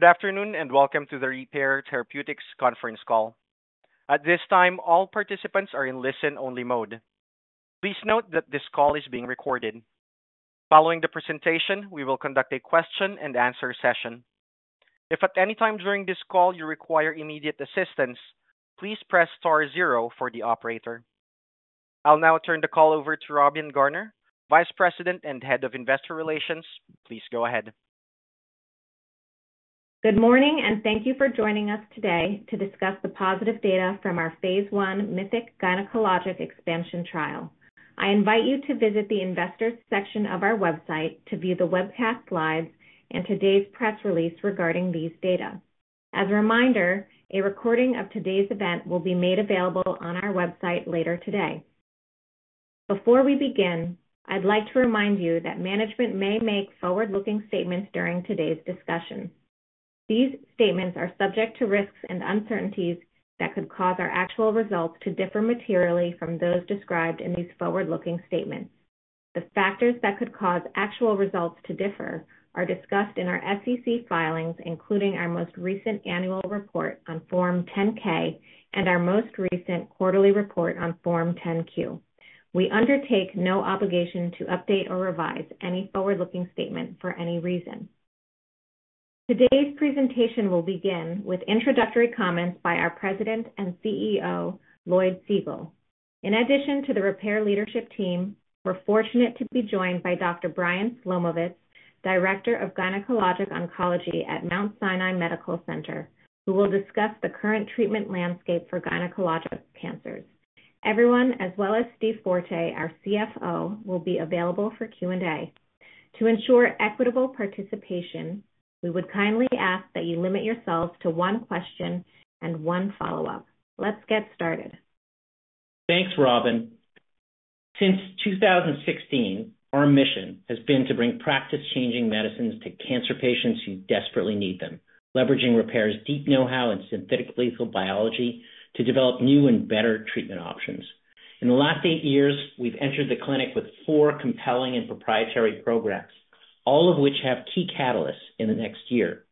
Good afternoon and welcome to the Repare Therapeutics conference call. At this time, all participants are in listen-only mode. Please note that this call is being recorded. Following the presentation, we will conduct a question-and-answer session. If at any time during this call you require immediate assistance, please press star zero for the operator. I'll now turn the call over to Robin Garner, Vice President and Head of Investor Relations. Please go ahead. Good morning and thank you for joining us today to discuss the positive data from our Phase l MYTHIC Gynecologic Expansion Trial. I invite you to visit the Investors section of our website to view the webcast slides and today's press release regarding these data. As a reminder, a recording of today's event will be made available on our website later today. Before we begin, I'd like to remind you that management may make forward-looking statements during today's discussion. These statements are subject to risks and uncertainties that could cause our actual results to differ materially from those described in these forward-looking statements. The factors that could cause actual results to differ are discussed in our SEC filings, including our most recent annual report on Form 10-K and our most recent quarterly report on Form 10-Q. We undertake no obligation to update or revise any forward-looking statement for any reason. Today's presentation will begin with introductory comments by our President and CEO, Lloyd Segal. In addition to the Repare Leadership Team, we're fortunate to be joined by Dr. Brian Slomovitz, Director of Gynecologic Oncology at Mount Sinai Medical Center, who will discuss the current treatment landscape for gynecologic cancers. Everyone, as well as Steve Forte, our CFO, will be available for Q&A. To ensure equitable participation, we would kindly ask that you limit yourselves to one question and one follow-up. Let's get started. Thanks, Robin. Since 2016, our mission has been to bring practice-changing medicines to cancer patients who desperately need them, leveraging Repare's deep know-how in synthetic lethal biology to develop new and better treatment options. In the last eight years, we've entered the clinic with four compelling and proprietary programs, all of which have key catalysts in the next year.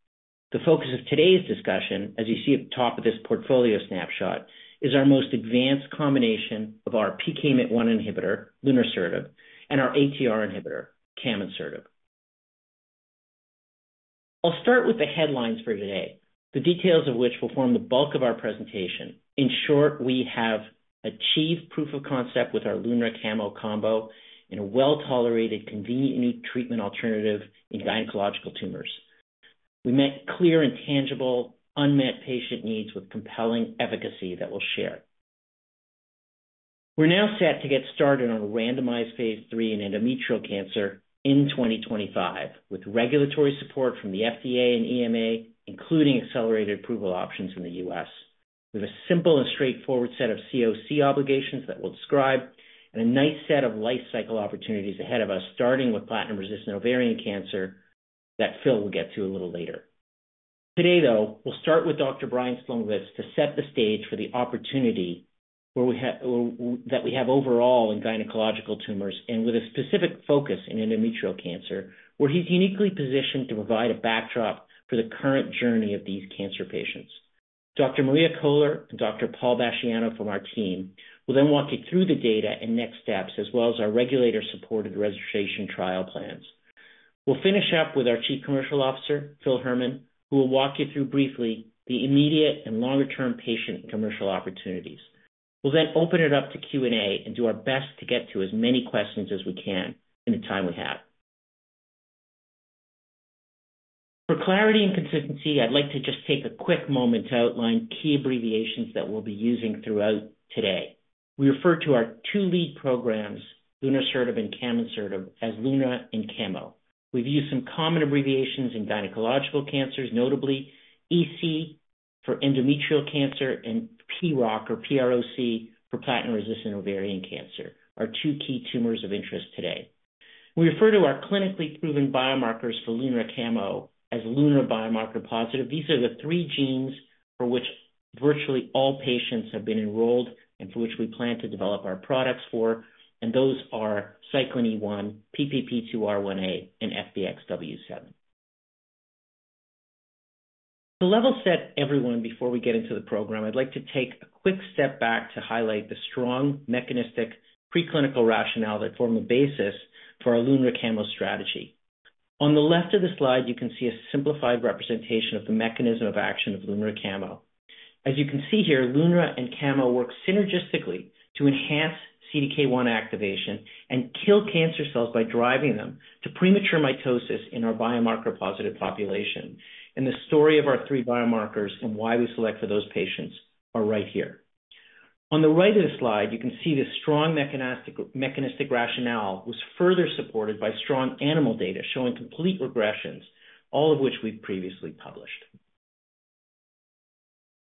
The focus of today's discussion, as you see at the top of this portfolio snapshot, is our most advanced combination of our PKMYT1 inhibitor, Lunresertib, and our ATR inhibitor, Camonsertib. I'll start with the headlines for today, the details of which will form the bulk of our presentation. In short, we have achieved proof of concept with our lunresertib-camonsertib combo in a well-tolerated, convenient new treatment alternative in gynecological tumors. We met clear and tangible unmet patient needs with compelling efficacy that we'll share. We're now set to get started on a randomized phase lll in endometrial cancer in 2025, with regulatory support from the FDA and EMA, including accelerated approval options in the U.S. We have a simple and straightforward set of COC obligations that we'll describe and a nice set of life cycle opportunities ahead of us, starting with platinum-resistant ovarian cancer that Phil will get to a little later. Today, though, we'll start with Dr. Brian Slomovitz to set the stage for the opportunity that we have overall in gynecologic tumors and with a specific focus in endometrial cancer, where he's uniquely positioned to provide a backdrop for the current journey of these cancer patients. Dr. Maria Koehler and Dr. Paul Basciano from our team will then walk you through the data and next steps, as well as our regulator-supported registration trial plans. We'll finish up with our Chief Commercial Officer, Phil Herman, who will walk you through briefly the immediate and longer-term patient and commercial opportunities. We'll then open it up to Q&A and do our best to get to as many questions as we can in the time we have. For clarity and consistency, I'd like to just take a quick moment to outline key abbreviations that we'll be using throughout today. We refer to our two lead programs, Lunresertib and Camonsertib, as Lunre and Camo. We've used some common abbreviations in gynecologic cancers, notably EC for endometrial cancer and PROC for platinum-resistant ovarian cancer, our two key tumors of interest today. We refer to our clinically proven biomarkers for Lunre-Camo as Lunre Biomarker Positive. These are the three genes for which virtually all patients have been enrolled and for which we plan to develop our products for, and those are Cyclin E1, PPP2R1A, and FBXW7. To level set everyone before we get into the program, I'd like to take a quick step back to highlight the strong mechanistic preclinical rationale that formed the basis for our Lunre-Camo strategy. On the left of the slide, you can see a simplified representation of the mechanism of action of Lunre-Camo. As you can see here, Lunre and Camo work synergistically to enhance CDK1 activation and kill cancer cells by driving them to premature mitosis in our biomarker-positive population, and the story of our three biomarkers and why we select for those patients are right here. On the right of the slide, you can see the strong mechanistic rationale was further supported by strong animal data showing complete regressions, all of which we've previously published.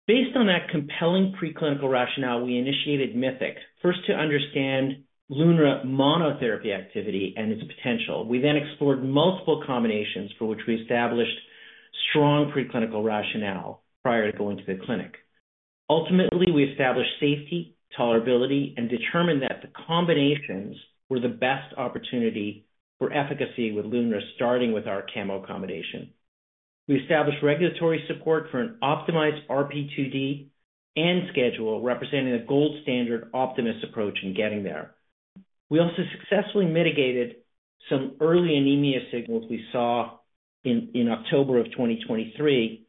Based on that compelling preclinical rationale, we initiated MYTHIC, first to understand Lunre monotherapy activity and its potential. We then explored multiple combinations for which we established strong preclinical rationale prior to going to the clinic. Ultimately, we established safety, tolerability, and determined that the combinations were the best opportunity for efficacy with Lunre, starting with our Camo combination. We established regulatory support for an optimized RP2D and schedule representing the gold standard optimized approach in getting there. We also successfully mitigated some early anemia signals we saw in October of 2023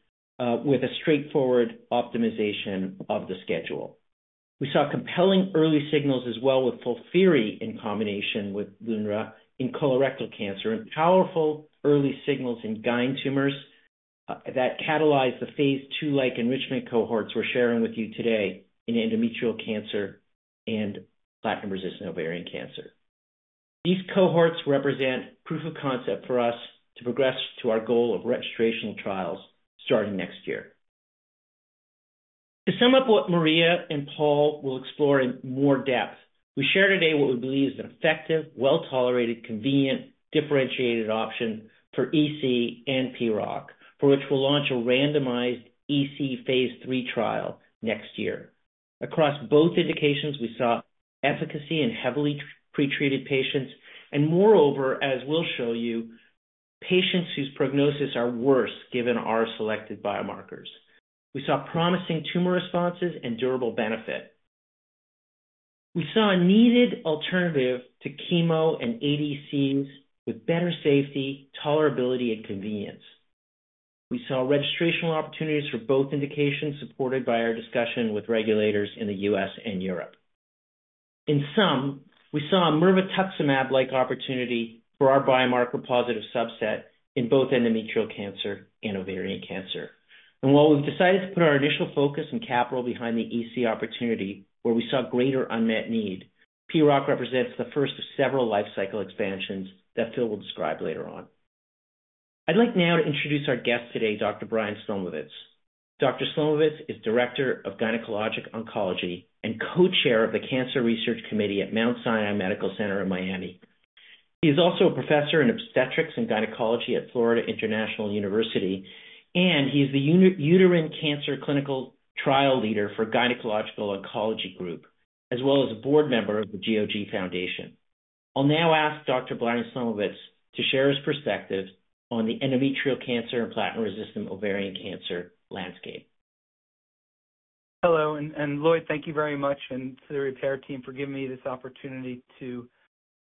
with a straightforward optimization of the schedule. We saw compelling early signals as well with FOLFIRI in combination with Lunre in colorectal cancer and powerful early signals in GYN tumors that catalyzed the phase ll-like enrichment cohorts we're sharing with you today in endometrial cancer and platinum-resistant ovarian cancer. These cohorts represent proof of concept for us to progress to our goal of registration trials starting next year. To sum up what Maria and Paul will explore in more depth, we share today what we believe is an effective, well-tolerated, convenient, differentiated option for EC and PROC, for which we'll launch a randomized EC phase lll trial next year. Across both indications, we saw efficacy in heavily pretreated patients and, moreover, as we'll show you, patients whose prognosis are worse given our selected biomarkers. We saw promising tumor responses and durable benefit. We saw a needed alternative to chemo and ADCs with better safety, tolerability, and convenience. We saw registration opportunities for both indications supported by our discussion with regulators in the U.S. and Europe. In sum, we saw a mirvetuximab-like opportunity for our biomarker-positive subset in both endometrial cancer and ovarian cancer. And while we've decided to put our initial focus and capital behind the EC opportunity where we saw greater unmet need, PROC represents the first of several life cycle expansions that Phil will describe later on. I'd like now to introduce our guest today, Dr. Brian Slomovitz. Dr. Slomovitz is Director of Gynecologic Oncology and Co-Chair of the Cancer Research Committee at Mount Sinai Medical Center in Miami. He is also a professor in obstetrics and gynecology at Florida International University, and he is the uterine cancer clinical trial leader for Gynecologic Oncology Group, as well as a board member of the GOG Foundation. I'll now ask Dr. Brian Slomovitz to share his perspective on the endometrial cancer and platinum-resistant ovarian cancer landscape. Hello, and Lloyd, thank you very much and to the Repare team for giving me this opportunity to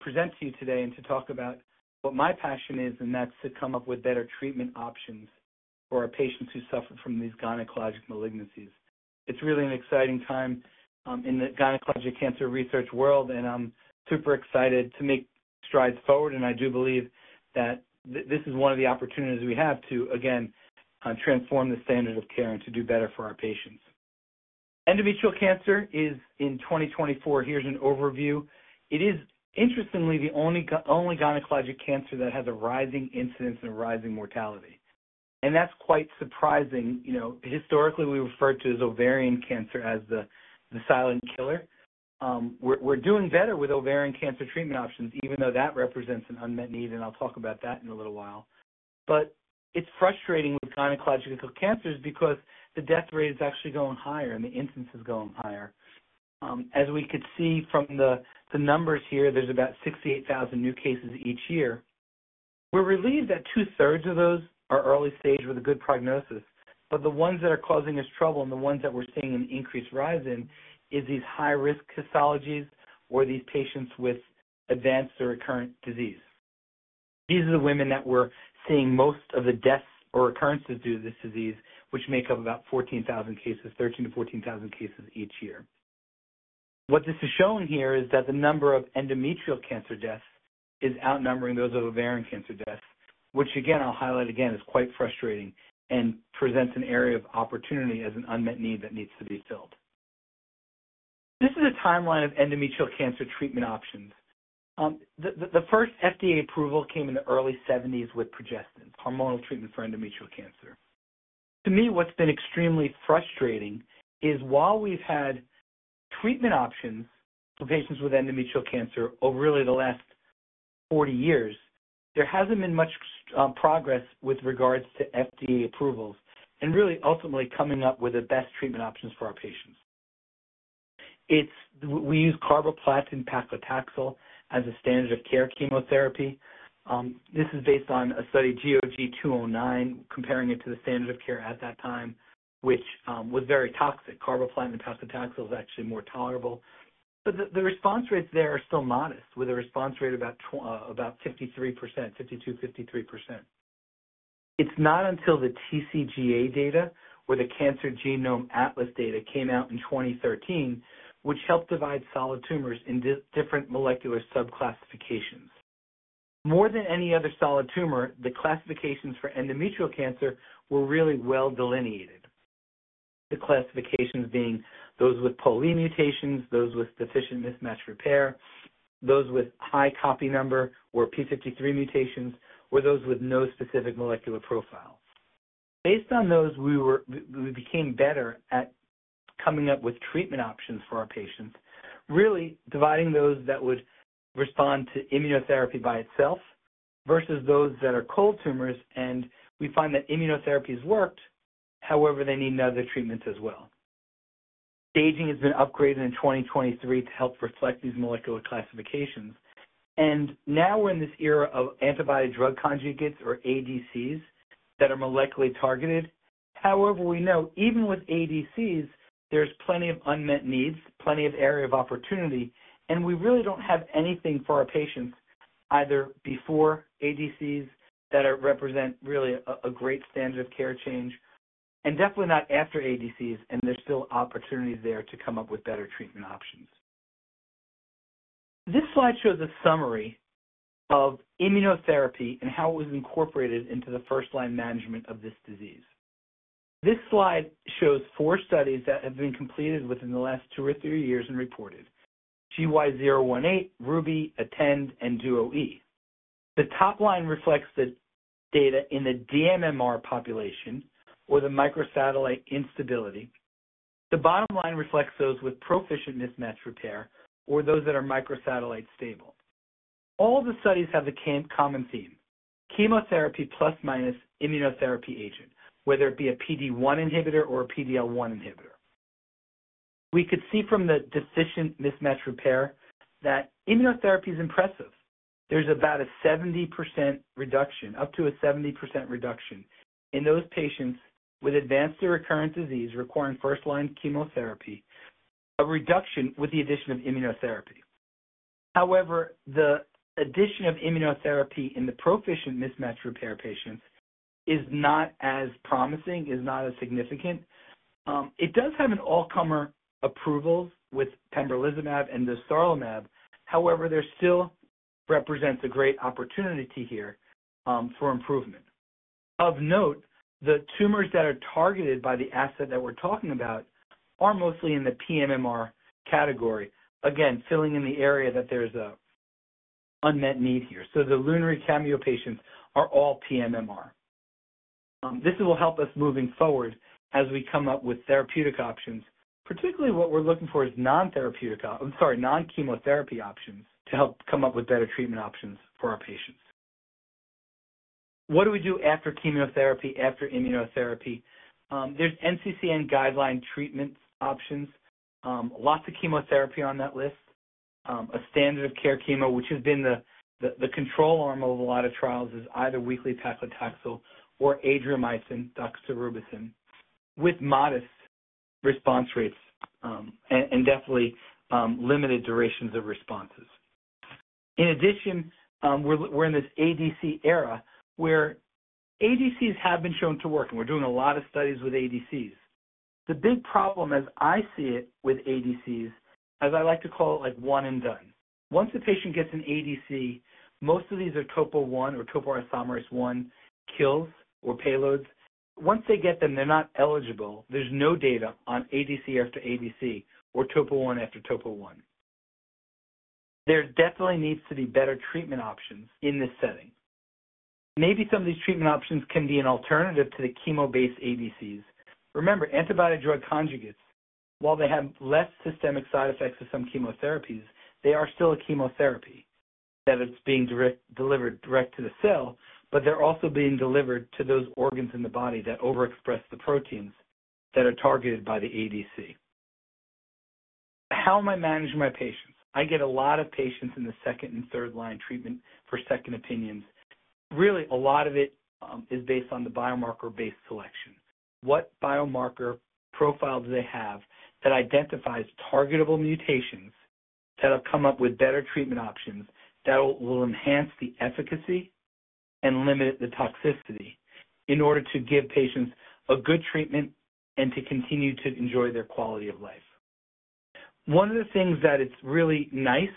present to you today and to talk about what my passion is, and that's to come up with better treatment options for our patients who suffer from these gynecologic malignancies. It's really an exciting time in the gynecologic cancer research world, and I'm super excited to make strides forward, and I do believe that this is one of the opportunities we have to, again, transform the standard of care and to do better for our patients. Endometrial cancer is, in 2024, here's an overview. It is, interestingly, the only gynecologic cancer that has a rising incidence and a rising mortality, and that's quite surprising. Historically, we referred to ovarian cancer as the silent killer. We're doing better with ovarian cancer treatment options, even though that represents an unmet need, and I'll talk about that in a little while. But it's frustrating with gynecological cancers because the death rate is actually going higher and the incidence is going higher. As we could see from the numbers here, there's about 68,000 new cases each year. We're relieved that two-thirds of those are early stage with a good prognosis, but the ones that are causing us trouble and the ones that we're seeing an increased rise in are these high-risk pathologies or these patients with advanced or recurrent disease. These are the women that we're seeing most of the deaths or recurrences due to this disease, which make up about 13,000 cases, 13,000 cases-14,000 cases each year. What this is showing here is that the number of endometrial cancer deaths is outnumbering those of ovarian cancer deaths, which, again, I'll highlight again, is quite frustrating and presents an area of opportunity as an unmet need that needs to be filled. This is a timeline of endometrial cancer treatment options. The first FDA approval came in the early 1970s with progestins, hormonal treatment for endometrial cancer. To me, what's been extremely frustrating is while we've had treatment options for patients with endometrial cancer over really the last 40 years, there hasn't been much progress with regards to FDA approvals and really ultimately coming up with the best treatment options for our patients. We use carboplatin paclitaxel as a standard of care chemotherapy. This is based on a study, GOG-209, comparing it to the standard of care at that time, which was very toxic. Carboplatin paclitaxel is actually more tolerable. But the response rates there are still modest, with a response rate of about 52%-53%. It's not until the TCGA data or the Cancer Genome Atlas data came out in 2013, which helped divide solid tumors into different molecular sub-classifications. More than any other solid tumor, the classifications for endometrial cancer were really well delineated. The classifications being those with POLE mutations, those with deficient mismatch repair, those with high copy number or p53 mutations, or those with no specific molecular profile. Based on those, we became better at coming up with treatment options for our patients, really dividing those that would respond to immunotherapy by itself versus those that are cold tumors. And we find that immunotherapies worked. However, they need another treatment as well. Staging has been upgraded in 2023 to help reflect these molecular classifications. Now we're in this era of antibody-drug conjugates, or ADCs, that are molecularly targeted. However, we know even with ADCs, there's plenty of unmet needs, plenty of area of opportunity, and we really don't have anything for our patients either before ADCs that represent really a great standard of care change and definitely not after ADCs, and there's still opportunity there to come up with better treatment options. This slide shows a summary of immunotherapy and how it was incorporated into the first-line management of this disease. This slide shows four studies that have been completed within the last two or three years and reported: GY018, RUBY, AtTEnd, and DUO-E. The top line reflects the data in the dMMR population or the microsatellite instability. The bottom line reflects those with proficient mismatch repair or those that are microsatellite stable. All the studies have the common theme: chemotherapy plus/minus immunotherapy agent, whether it be a PD-1 inhibitor or a PD-L1 inhibitor. We could see from the deficient mismatch repair that immunotherapy is impressive. There's about a 70% reduction, up to a 70% reduction in those patients with advanced or recurrent disease requiring first-line chemotherapy, a reduction with the addition of immunotherapy. However, the addition of immunotherapy in the proficient mismatch repair patients is not as promising, is not as significant. It does have an all-comer approval with pembrolizumab and dostarlimab. However, there still represents a great opportunity here for improvement. Of note, the tumors that are targeted by the asset that we're talking about are mostly in the pMMR category, again, filling in the area that there's an unmet need here. So the Lunre and Camo patients are all pMMR. This will help us moving forward as we come up with therapeutic options. Particularly, what we're looking for is non-therapeutic, I'm sorry, non-chemotherapy options to help come up with better treatment options for our patients. What do we do after chemotherapy, after immunotherapy? There's NCCN guideline treatment options, lots of chemotherapy on that list. A standard of care chemo, which has been the control arm of a lot of trials, is either weekly Paclitaxel or Adriamycin, doxorubicin, with modest response rates and definitely limited durations of responses. In addition, we're in this ADC era where ADCs have been shown to work, and we're doing a lot of studies with ADCs. The big problem, as I see it with ADCs, as I like to call it, like one and done. Once a patient gets an ADC, most of these are topo I or topoisomerase I kills or payloads. Once they get them, they're not eligible. There's no data on ADC after ADC or topo I after topo I. There definitely needs to be better treatment options in this setting. Maybe some of these treatment options can be an alternative to the chemo-based ADCs. Remember, antibody-drug conjugates, while they have less systemic side effects of some chemotherapies, they are still a chemotherapy that is being delivered direct to the cell, but they're also being delivered to those organs in the body that overexpress the proteins that are targeted by the ADC. How am I managing my patients? I get a lot of patients in the second and third-line treatment for second opinions. Really, a lot of it is based on the biomarker-based selection. What biomarker profile do they have that identifies targetable mutations that will come up with better treatment options that will enhance the efficacy and limit the toxicity in order to give patients a good treatment and to continue to enjoy their quality of life? One of the things that it's really nice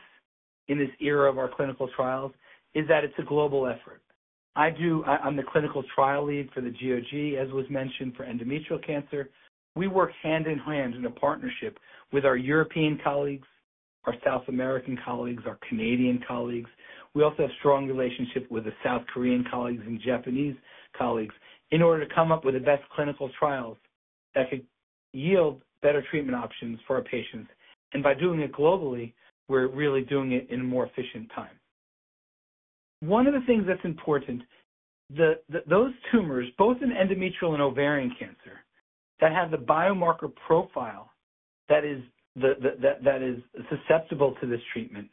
in this era of our clinical trials is that it's a global effort. I'm the clinical trial lead for the GOG, as was mentioned, for endometrial cancer. We work hand in hand in a partnership with our European colleagues, our South American colleagues, our Canadian colleagues. We also have strong relationships with the South Korean colleagues and Japanese colleagues in order to come up with the best clinical trials that could yield better treatment options for our patients, and by doing it globally, we're really doing it in a more efficient time. One of the things that's important, those tumors, both in endometrial and ovarian cancer, that have the biomarker profile that is susceptible to this treatment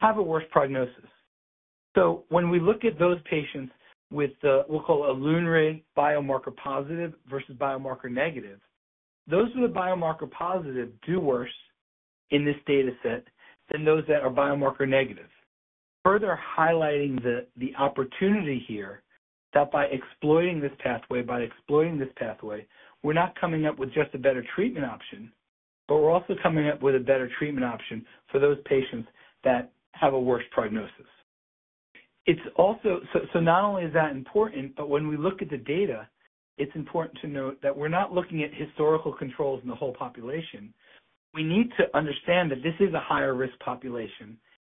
have a worse prognosis. So when we look at those patients with the, we'll call it a Lunre biomarker positive versus biomarker negative, those with a biomarker positive do worse in this dataset than those that are biomarker negative. Further highlighting the opportunity here that by exploiting this pathway, by exploiting this pathway, we're not coming up with just a better treatment option, but we're also coming up with a better treatment option for those patients that have a worse prognosis. So not only is that important, but when we look at the data, it's important to note that we're not looking at historical controls in the whole population. We need to understand that this is a higher-risk population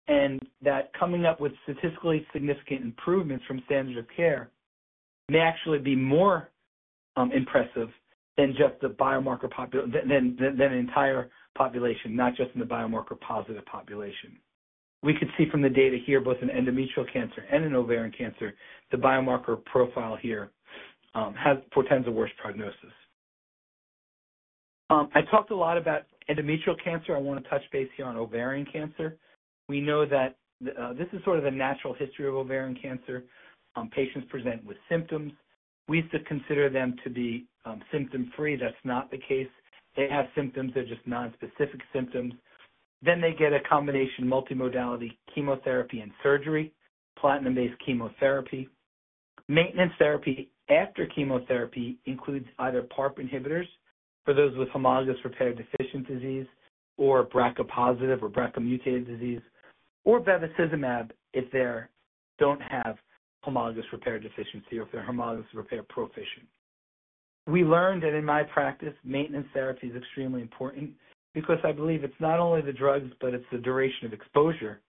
and that coming up with statistically significant improvements from standard of care may actually be more impressive than just the biomarker population, than the entire population, not just in the biomarker positive population. We could see from the data here, both in endometrial cancer and in ovarian cancer, the biomarker profile here portends a worse prognosis. I talked a lot about endometrial cancer. I want to touch base here on ovarian cancer. We know that this is sort of the natural history of ovarian cancer. Patients present with symptoms. We used to consider them to be symptom-free. That's not the case. They have symptoms that are just nonspecific symptoms. Then they get a combination multimodality chemotherapy and surgery, platinum-based chemotherapy. Maintenance therapy after chemotherapy includes either PARP inhibitors for those with homologous repair deficient disease or BRCA positive or BRCA mutated disease or bevacizumab if they don't have homologous repair deficiency or if they're homologous repair proficient. We learned that in my practice, maintenance therapy is extremely important because I believe it's not only the drugs, but it's the duration of exposure,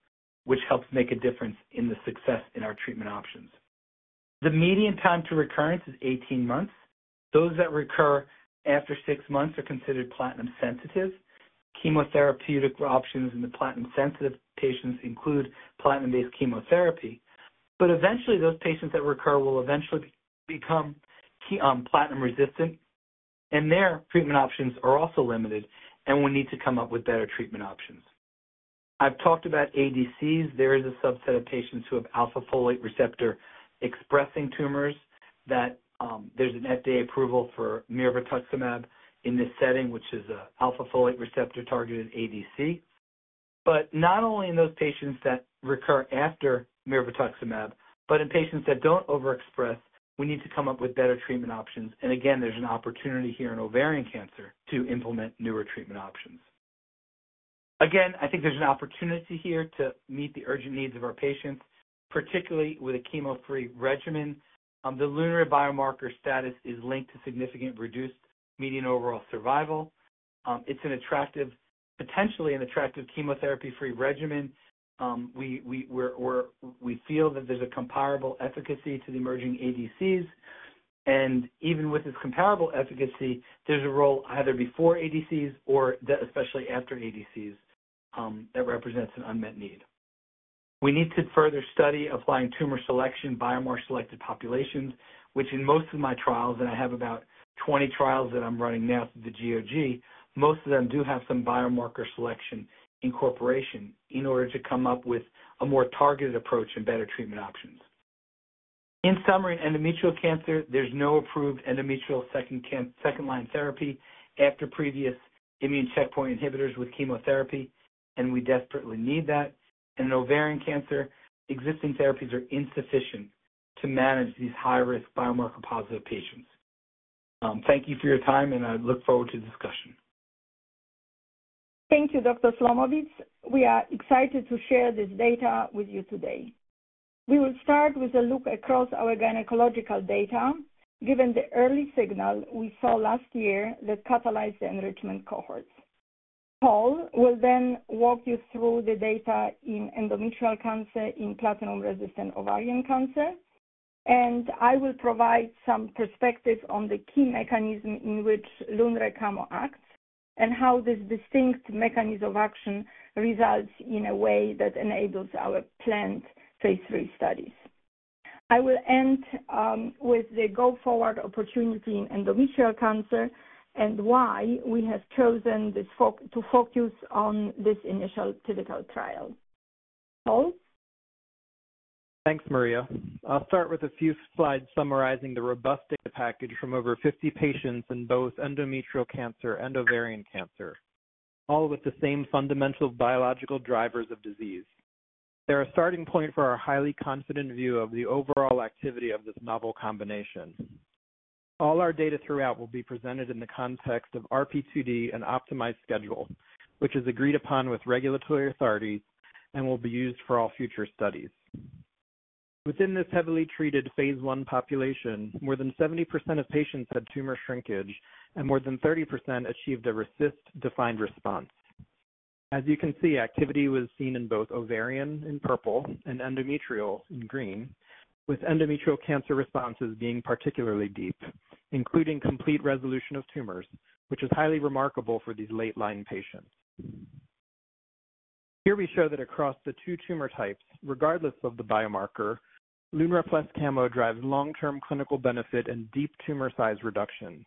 which helps make a difference in the success in our treatment options. The median time to recurrence is 18 months. Those that recur after six months are considered platinum-sensitive. Chemotherapeutic options in the platinum-sensitive patients include platinum-based chemotherapy. But eventually, those patients that recur will eventually become platinum-resistant, and their treatment options are also limited, and we need to come up with better treatment options. I've talked about ADCs. There is a subset of patients who have alpha-folate receptor expressing tumors that there's an FDA approval for mirvetuximab in this setting, which is an alpha-folate receptor targeted ADC. But not only in those patients that recur after mirvetuximab, but in patients that don't overexpress, we need to come up with better treatment options. And again, there's an opportunity here in ovarian cancer to implement newer treatment options. Again, I think there's an opportunity here to meet the urgent needs of our patients, particularly with a chemo-free regimen. The Lunre biomarker status is linked to significant reduced median overall survival. It's potentially an attractive chemotherapy-free regimen. We feel that there's a comparable efficacy to the emerging ADCs. And even with this comparable efficacy, there's a role either before ADCs or especially after ADCs that represents an unmet need. We need to further study applying tumor selection, biomarker-selected populations, which in most of my trials, and I have about 20 trials that I'm running now through the GOG, most of them do have some biomarker selection incorporation in order to come up with a more targeted approach and better treatment options. In summary, endometrial cancer, there's no approved endometrial second-line therapy after previous immune checkpoint inhibitors with chemotherapy, and we desperately need that, and in ovarian cancer, existing therapies are insufficient to manage these high-risk biomarker-positive patients. Thank you for your time, and I look forward to the discussion. Thank you, Dr. Slomovitz. We are excited to share this data with you today. We will start with a look across our gynecological data, given the early signal we saw last year that catalyzed the enrichment cohorts. Paul will then walk you through the data in endometrial cancer, in platinum-resistant ovarian cancer. And I will provide some perspectives on the key mechanism in which Lunre and Camo acts and how this distinct mechanism of action results in a way that enables our planned phase lll studies. I will end with the go-forward opportunity in endometrial cancer and why we have chosen to focus on this initial clinical trial. Paul? Thanks, Maria. I'll start with a few slides summarizing the robust data package from over 50 patients in both endometrial cancer and ovarian cancer, all with the same fundamental biological drivers of disease. They're a starting point for our highly confident view of the overall activity of this novel combination. All our data throughout will be presented in the context of RP2D and optimized schedule, which is agreed upon with regulatory authorities and will be used for all future studies. Within this heavily treated phase l population, more than 70% of patients had tumor shrinkage, and more than 30% achieved a RECIST-defined response. As you can see, activity was seen in both ovarian in purple and endometrial in green, with endometrial cancer responses being particularly deep, including complete resolution of tumors, which is highly remarkable for these late-line patients. Here we show that across the two tumor types, regardless of the biomarker, Lunre plus Camo drives long-term clinical benefit and deep tumor size reduction.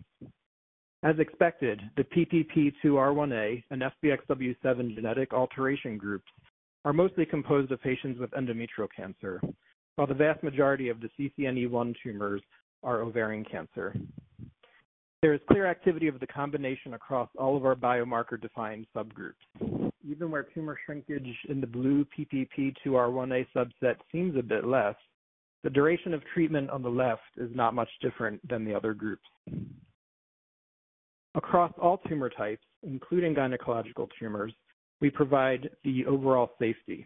As expected, the PPP2R1A and FBXW7 genetic alteration groups are mostly composed of patients with endometrial cancer, while the vast majority of the CCNE1 tumors are ovarian cancer. There is clear activity of the combination across all of our biomarker-defined subgroups. Even where tumor shrinkage in the blue PPP2R1A subset seems a bit less, the duration of treatment on the left is not much different than the other groups. Across all tumor types, including gynecological tumors, we provide the overall safety.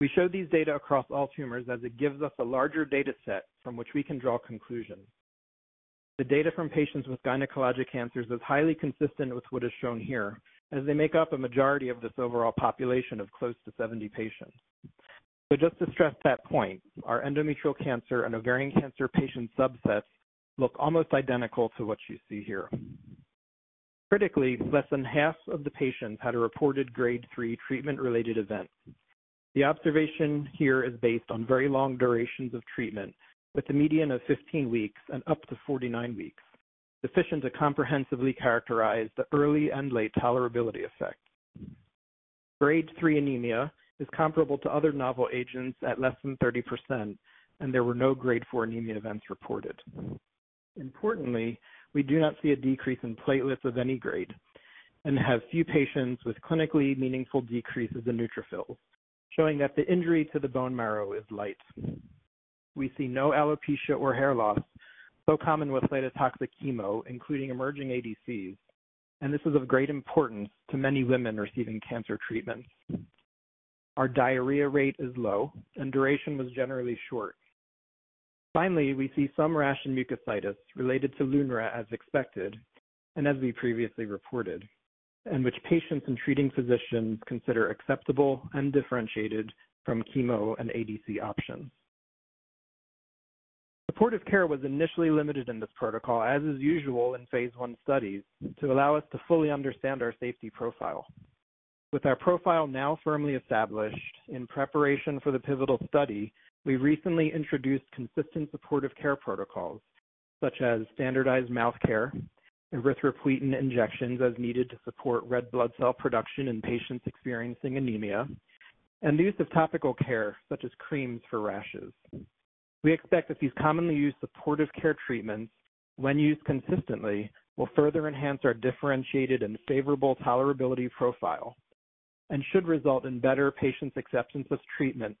We showed these data across all tumors as it gives us a larger dataset from which we can draw conclusions. The data from patients with gynecologic cancers is highly consistent with what is shown here, as they make up a majority of this overall population of close to 70 patients. So just to stress that point, our endometrial cancer and ovarian cancer patient subsets look almost identical to what you see here. Critically, less than half of the patients had a reported grade 3 treatment-related event. The observation here is based on very long durations of treatment, with a median of 15 weeks and up to 49 weeks, sufficient to comprehensively characterize the early and late tolerability effects. Grade three anemia is comparable to other novel agents at less than 30%, and there were no grade 4 anemia events reported. Importantly, we do not see a decrease in platelets of any grade and have few patients with clinically meaningful decreases in neutrophils, showing that the injury to the bone marrow is light. We see no alopecia or hair loss, so common with platelet-toxic chemo, including emerging ADCs, and this is of great importance to many women receiving cancer treatments. Our diarrhea rate is low, and duration was generally short. Finally, we see some rash and mucositis related to Lunre, as expected and as we previously reported, and which patients and treating physicians consider acceptable and differentiated from chemo and ADC options. Supportive care was initially limited in this protocol, as is usual in phase l studies, to allow us to fully understand our safety profile. With our profile now firmly established in preparation for the pivotal study, we recently introduced consistent supportive care protocols, such as standardized mouth care, erythropoietin injections as needed to support red blood cell production in patients experiencing anemia, and the use of topical care, such as creams for rashes. We expect that these commonly used supportive care treatments, when used consistently, will further enhance our differentiated and favorable tolerability profile and should result in better patient acceptance of treatment,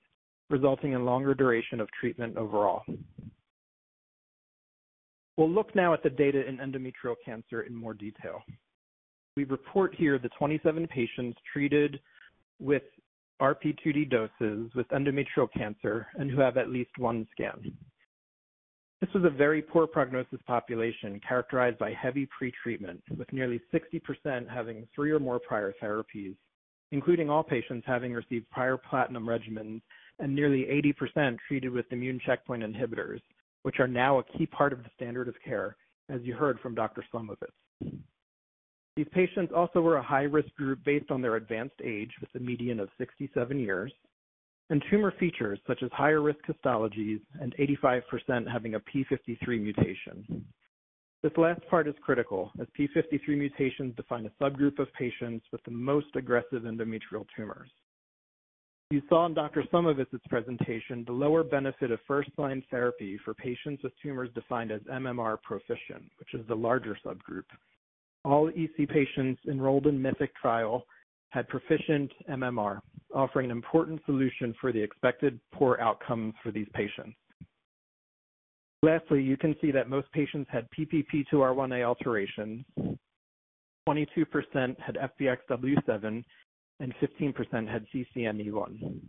resulting in longer duration of treatment overall. We'll look now at the data in endometrial cancer in more detail. We report here the 27 patients treated with RP2D doses with endometrial cancer and who have at least one scan. This was a very poor prognosis population characterized by heavy pretreatment, with nearly 60% having three or more prior therapies, including all patients having received prior platinum regimens and nearly 80% treated with immune checkpoint inhibitors, which are now a key part of the standard of care, as you heard from Dr. Slomovitz. These patients also were a high-risk group based on their advanced age with a median of 67 years and tumor features such as higher-risk histologies and 85% having a p53 mutation. This last part is critical, as p53 mutations define a subgroup of patients with the most aggressive endometrial tumors. You saw in Dr. Slomovitz's presentation the lower benefit of first-line therapy for patients with tumors defined as MMR proficient, which is the larger subgroup. All EC patients enrolled in MYTHIC trial had proficient MMR, offering an important solution for the expected poor outcomes for these patients. Lastly, you can see that most patients had PPP2R1A alterations, 22% had FBXW7, and 15% had CCNE1.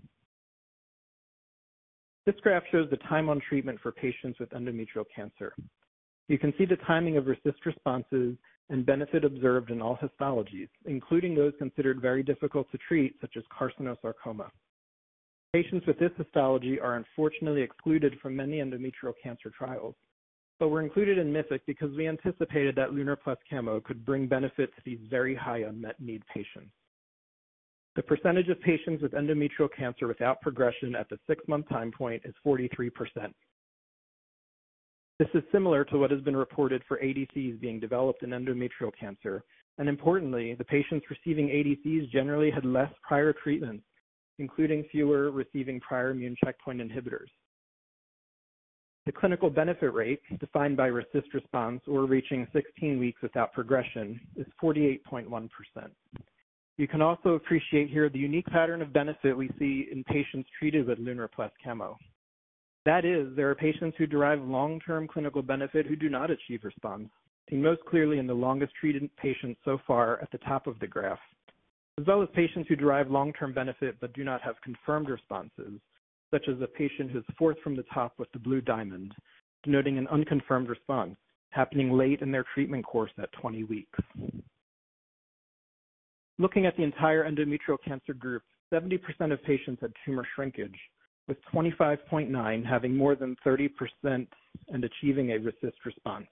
This graph shows the time on treatment for patients with endometrial cancer. You can see the timing of RECIST responses and benefit observed in all histologies, including those considered very difficult to treat, such as carcinosarcoma. Patients with this histology are unfortunately excluded from many endometrial cancer trials, but were included in MYTHIC because we anticipated that Lunre plus Camo could bring benefit to these very high unmet need patients. The percentage of patients with endometrial cancer without progression at the six-month time point is 43%. This is similar to what has been reported for ADCs being developed in endometrial cancer, and importantly, the patients receiving ADCs generally had less prior treatments, including fewer receiving prior immune checkpoint inhibitors. The clinical benefit rate defined by RECIST response or reaching 16 weeks without progression is 48.1%. You can also appreciate here the unique pattern of benefit we see in patients treated with Lunre plus Camo. That is, there are patients who derive long-term clinical benefit who do not achieve response, seen most clearly in the longest-treated patients so far at the top of the graph, as well as patients who derive long-term benefit but do not have confirmed responses, such as a patient who's fourth from the top with the blue diamond, denoting an unconfirmed response happening late in their treatment course at 20 weeks. Looking at the entire endometrial cancer group, 70% of patients had tumor shrinkage, with 25.9% having more than 30% and achieving a RECIST response.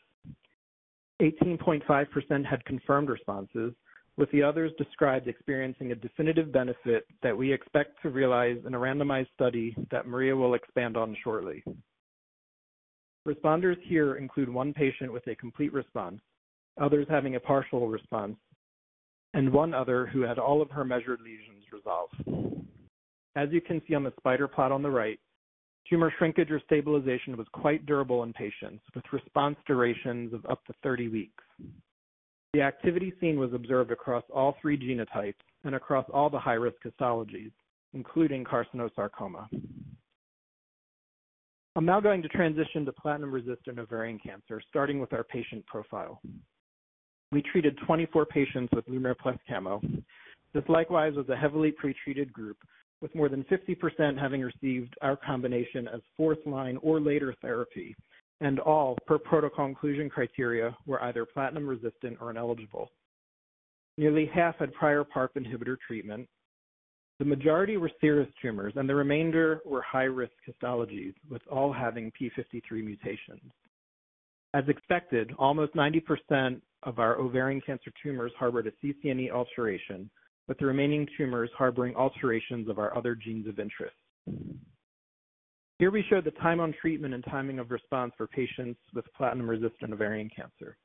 18.5% had confirmed responses, with the others described experiencing a definitive benefit that we expect to realize in a randomized study that Maria will expand on shortly. Responders here include one patient with a complete response, others having a partial response, and one other who had all of her measured lesions resolve. As you can see on the spider plot on the right, tumor shrinkage or stabilization was quite durable in patients with response durations of up to 30 weeks. The activity seen was observed across all three genotypes and across all the high-risk histologies, including carcinosarcoma. I'm now going to transition to platinum-resistant ovarian cancer, starting with our patient profile. We treated 24 patients with Lunre plus Camo. This likewise was a heavily pretreated group, with more than 50% having received our combination as fourth-line or later therapy, and all, per protocol inclusion criteria, were either platinum-resistant or ineligible. Nearly half had prior PARP inhibitor treatment. The majority were serous tumors, and the remainder were high-risk histologies, with all having p53 mutations. As expected, almost 90% of our ovarian cancer tumors harbored a CCNE alteration, with the remaining tumors harboring alterations of our other genes of interest. Here we show the time on treatment and timing of response for patients with platinum-resistant ovarian cancer.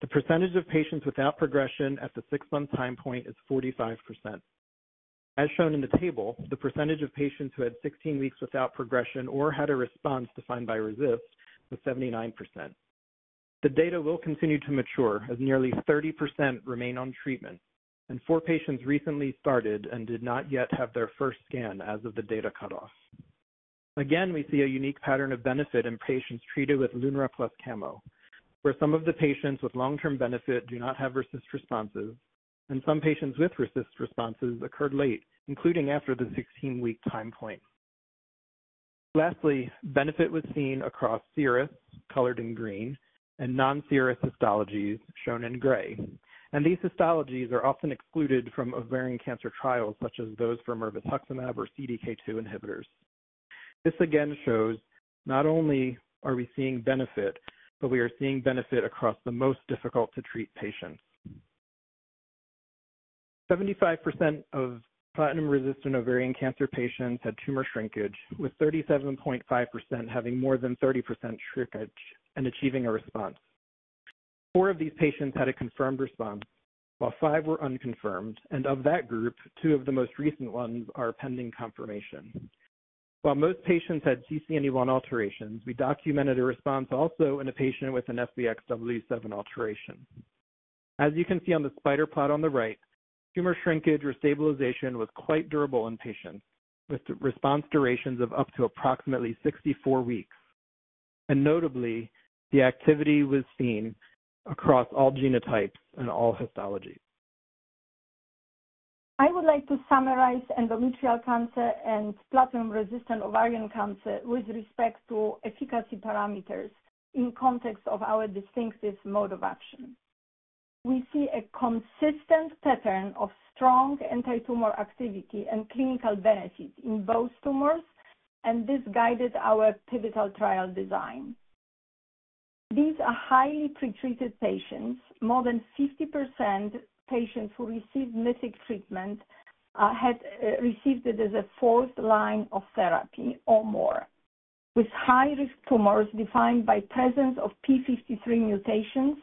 The percentage of patients without progression at the six-month time point is 45%. As shown in the table, the percentage of patients who had 16 weeks without progression or had a response defined by RECIST was 79%. The data will continue to mature as nearly 30% remain on treatment, and four patients recently started and did not yet have their first scan as of the data cutoff. Again, we see a unique pattern of benefit in patients treated with Lunre plus Camo, where some of the patients with long-term benefit do not have RECIST responses, and some patients with RECIST responses occurred late, including after the 16-week time point. Lastly, benefit was seen across serous, colored in green, and non-serous histologies shown in gray. And these histologies are often excluded from ovarian cancer trials, such as those for mirvetuximab soravtansine or CDK2 inhibitors. This again shows not only are we seeing benefit, but we are seeing benefit across the most difficult-to-treat patients. 75% of platinum-resistant ovarian cancer patients had tumor shrinkage, with 37.5% having more than 30% shrinkage and achieving a response. Four of these patients had a confirmed response, while five were unconfirmed. Of that group, two of the most recent ones are pending confirmation. While most patients had CCNE1 alterations, we documented a response also in a patient with an FBXW7 alteration. As you can see on the spider plot on the right, tumor shrinkage or stabilization was quite durable in patients, with response durations of up to approximately 64 weeks. Notably, the activity was seen across all genotypes and all histologies. I would like to summarize endometrial cancer and platinum-resistant ovarian cancer with respect to efficacy parameters in context of our distinctive mode of action. We see a consistent pattern of strong anti-tumor activity and clinical benefit in both tumors, and this guided our pivotal trial design. These are highly pretreated patients. More than 50% of patients who received MYTHIC treatment had received it as a fourth-line of therapy or more, with high-risk tumors defined by presence of p53 mutations,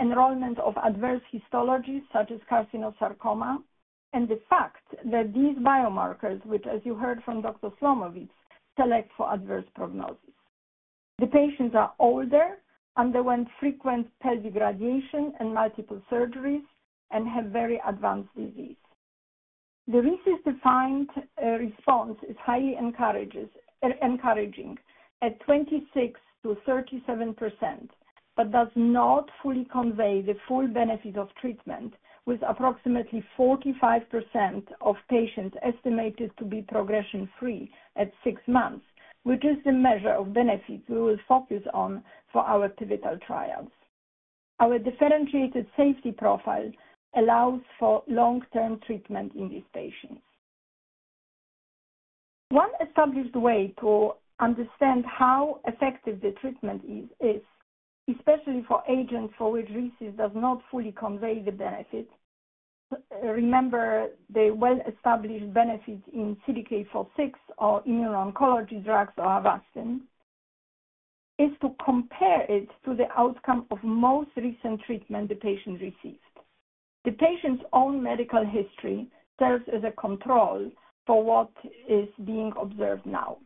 enrollment of adverse histologies such as carcinosarcoma, and the fact that these biomarkers, which, as you heard from Dr. Slomovitz, select for adverse prognosis. The patients are older, underwent frequent pelvic radiation and multiple surgeries, and have very advanced disease. The RECIST-defined response is highly encouraging at 26%-37%, but does not fully convey the full benefit of treatment, with approximately 45% of patients estimated to be progression-free at six months, which is the measure of benefit we will focus on for our pivotal trials. Our differentiated safety profile allows for long-term treatment in these patients. One established way to understand how effective the treatment is, especially for agents for which RECIST does not fully convey the benefit, remember the well-established benefit in CDK4/6 or immuno-oncology drugs or Avastin, is to compare it to the outcome of most recent treatment the patient received. The patient's own medical history serves as a control for what is being observed now.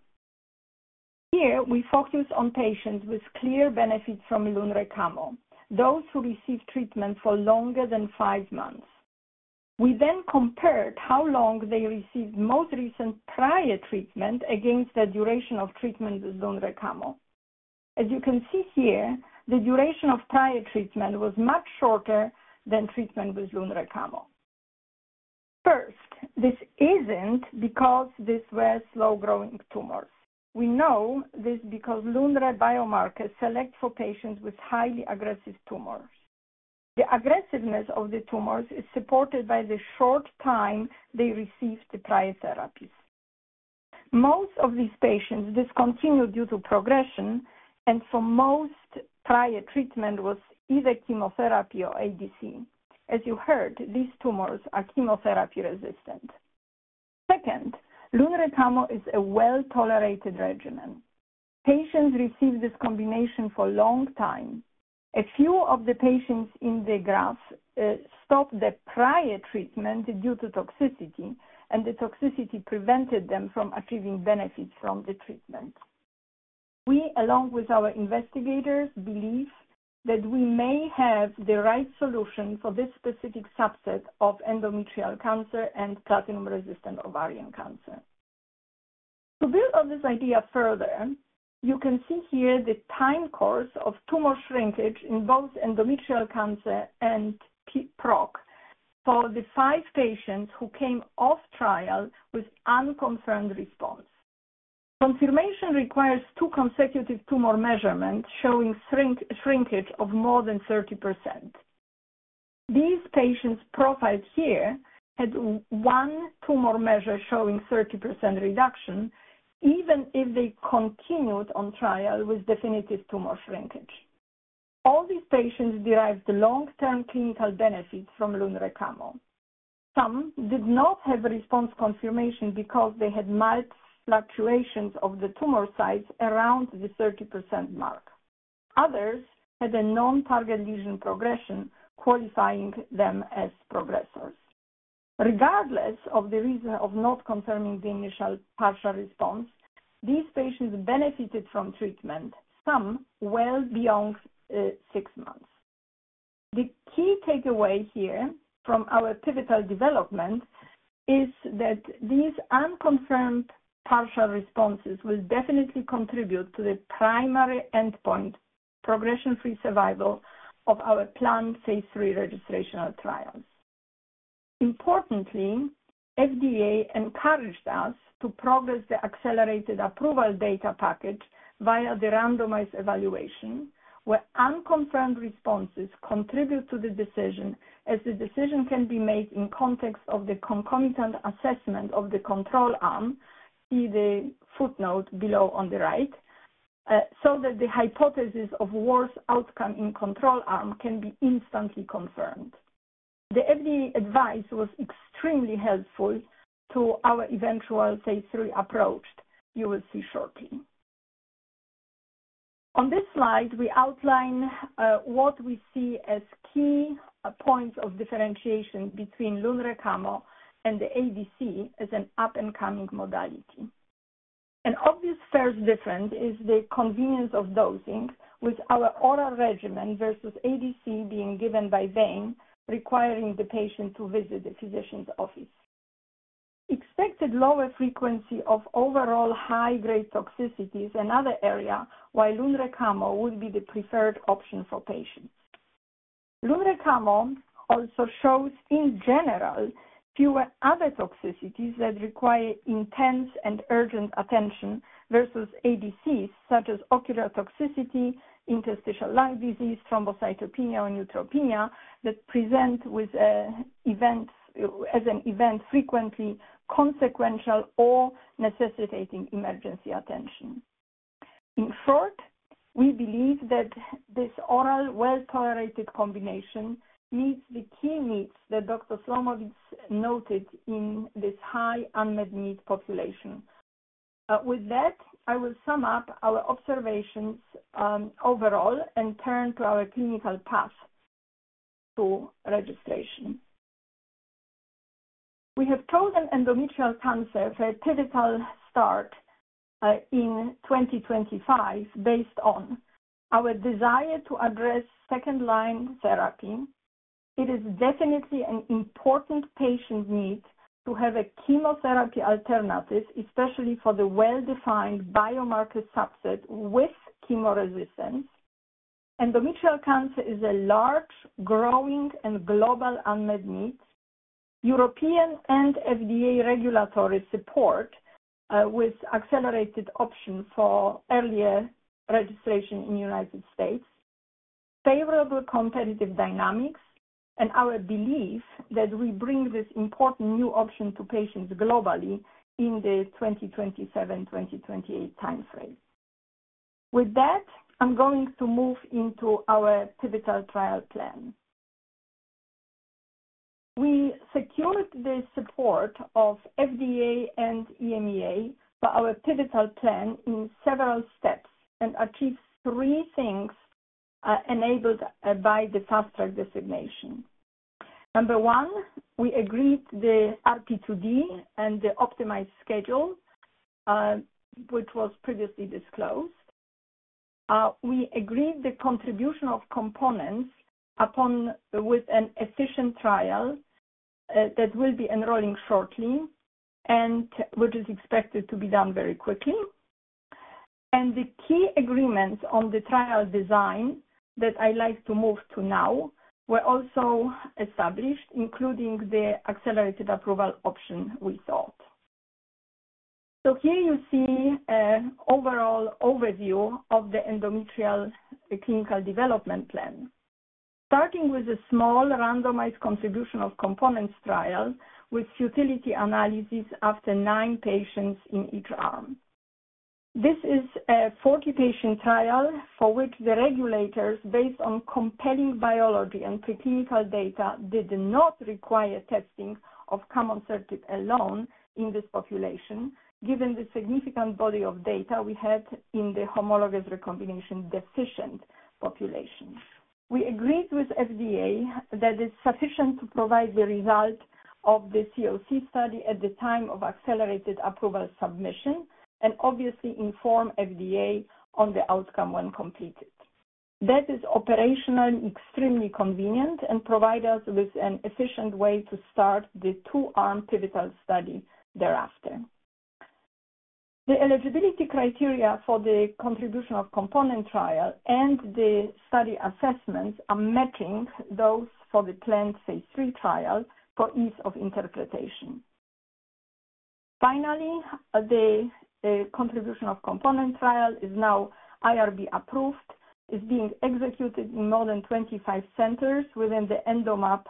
Here, we focus on patients with clear benefit from Lunre-Camo, those who received treatment for longer than five months. We then compared how long they received most recent prior treatment against the duration of treatment with Lunre-Camo. As you can see here, the duration of prior treatment was much shorter than treatment with Lunre-Camo. First, this isn't because these were slow-growing tumors. We know this because Lunre biomarkers select for patients with highly aggressive tumors. The aggressiveness of the tumors is supported by the short time they received the prior therapies. Most of these patients discontinued due to progression, and for most, prior treatment was either chemotherapy or ADC. As you heard, these tumors are chemotherapy resistant. Second, Lunre-Camo is a well-tolerated regimen. Patients received this combination for a long time. A few of the patients in the graph stopped the prior treatment due to toxicity, and the toxicity prevented them from achieving benefit from the treatment. We, along with our investigators, believe that we may have the right solution for this specific subset of endometrial cancer and platinum-resistant ovarian cancer. To build on this idea further, you can see here the time course of tumor shrinkage in both endometrial cancer and PROC for the five patients who came off trial with unconfirmed response. Confirmation requires two consecutive tumor measurements showing shrinkage of more than 30%. These patients profiled here had one tumor measure showing 30% reduction, even if they continued on trial with definitive tumor shrinkage. All these patients derived long-term clinical benefit from Lunre-Camo. Some did not have response confirmation because they had mild fluctuations of the tumor size around the 30% mark. Others had a non-target lesion progression, qualifying them as progressors. Regardless of the reason of not confirming the initial partial response, these patients benefited from treatment, some well beyond six months. The key takeaway here from our pivotal development is that these unconfirmed partial responses will definitely contribute to the primary endpoint, progression-free survival of our planned phase lll registrational trials. Importantly, FDA encouraged us to progress the accelerated approval data package via the randomized evaluation, where unconfirmed responses contribute to the decision, as the decision can be made in context of the concomitant assessment of the control arm. See the footnote below on the right, so that the hypothesis of worse outcome in control arm can be instantly confirmed. The FDA advice was extremely helpful to our eventual phase lll approach, you will see shortly. On this slide, we outline what we see as key points of differentiation between Lunre-Camo and the ADC as an up-and-coming modality. An obvious first difference is the convenience of dosing, with our oral regimen versus ADC being given by vein, requiring the patient to visit the physician's office. Expected lower frequency of overall high-grade toxicities in other areas, while Lunre-Camo would be the preferred option for patients. Lunre-Camo also shows, in general, fewer other toxicities that require intense and urgent attention versus ADCs, such as ocular toxicity, interstitial lung disease, thrombocytopenia, or neutropenia that present as an event frequently consequential or necessitating emergency attention. In short, we believe that this oral well-tolerated combination meets the key needs that Dr. Slomovitz noted in this high unmet need population. With that, I will sum up our observations overall and turn to our clinical path to registration. We have chosen endometrial cancer for a pivotal start in 2025 based on our desire to address second-line therapy. It is definitely an important patient need to have a chemotherapy alternative, especially for the well-defined biomarker subset with chemo resistance. Endometrial cancer is a large, growing, and global unmet need. European and FDA regulatory support with accelerated option for earlier registration in the United States, favorable competitive dynamics, and our belief that we bring this important new option to patients globally in the 2027-2028 timeframe. With that, I'm going to move into our pivotal trial plan. We secured the support of FDA and EMA for our pivotal plan in several steps and achieved three things enabled by the fast track designation. Number one, we agreed the RP2D and the optimized schedule, which was previously disclosed. We agreed the contribution of components upon an efficient trial that will be enrolling shortly, and which is expected to be done very quickly. And the key agreements on the trial design that I like to move to now were also established, including the accelerated approval option we thought. So here you see an overall overview of the endometrial clinical development plan, starting with a small randomized contribution of components trial with futility analysis after nine patients in each arm. This is a 40-patient trial for which the regulators, based on compelling biology and preclinical data, did not require testing of camonsertib alone in this population, given the significant body of data we had in the homologous recombination deficient population. We agreed with FDA that it's sufficient to provide the result of the COC study at the time of accelerated approval submission and obviously inform FDA on the outcome when completed. That is operationally extremely convenient and provides us with an efficient way to start the two-arm pivotal study thereafter. The eligibility criteria for the contribution of components trial and the study assessments are matching those for the planned phase lll trial for ease of interpretation. Finally, the contribution of components trial is now IRB approved, is being executed in more than 25 centers within the EndoMAP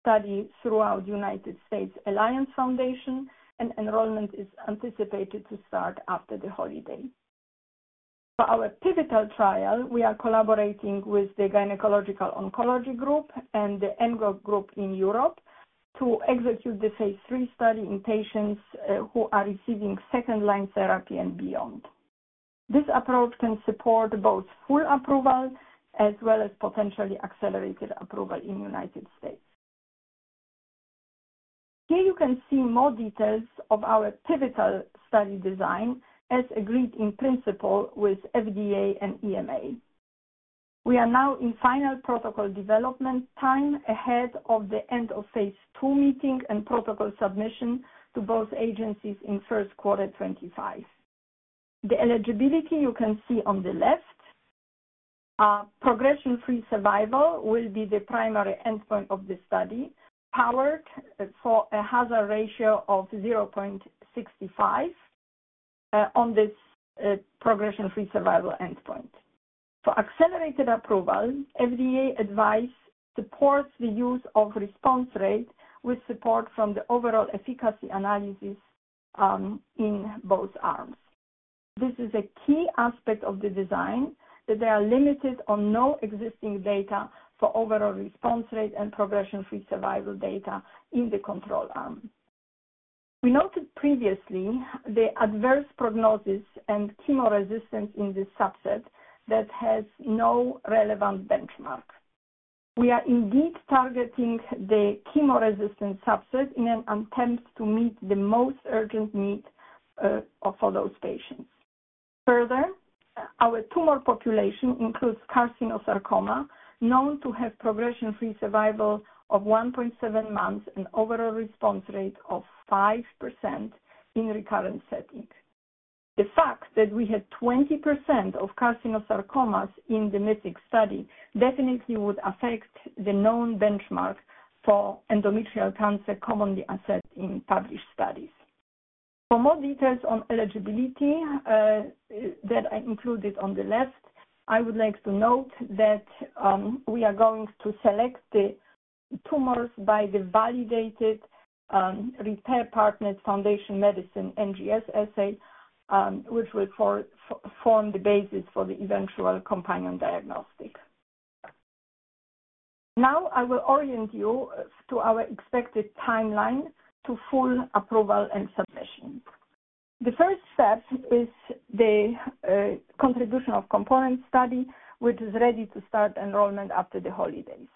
study throughout the Alliance Foundation Trials, and enrollment is anticipated to start after the holiday. For our pivotal trial, we are collaborating with the Gynecologic Oncology Group and the ENGOT group in Europe to execute the phase lll study in patients who are receiving second-line therapy and beyond. This approach can support both full approval as well as potentially accelerated approval in the U.S. Here you can see more details of our pivotal study design as agreed in principle with FDA and EMA. We are now in final protocol development time ahead of the end of phase ll meeting and protocol submission to both agencies in first quarter 2025. The eligibility you can see on the left. Progression-free survival will be the primary endpoint of the study, powered for a hazard ratio of 0.65 on this progression-free survival endpoint. For accelerated approval, FDA advice supports the use of response rate with support from the overall efficacy analysis in both arms. This is a key aspect of the design that they are limited on no existing data for overall response rate and progression-free survival data in the control arm. We noted previously the adverse prognosis and chemo resistance in this subset that has no relevant benchmark. We are indeed targeting the chemo resistance subset in an attempt to meet the most urgent need for those patients. Further, our tumor population includes carcinosarcoma, known to have progression-free survival of 1.7 months and overall response rate of 5% in recurrent setting. The fact that we had 20% of carcinosarcomas in the MYTHIC study definitely would affect the known benchmark for endometrial cancer commonly assessed in published studies. For more details on eligibility that I included on the left, I would like to note that we are going to select the tumors by the validated Repare's Partner Foundation Medicine NGS assay, which will form the basis for the eventual companion diagnostic. Now, I will orient you to our expected timeline to full approval and submission. The first step is the contribution of components study, which is ready to start enrollment after the holidays.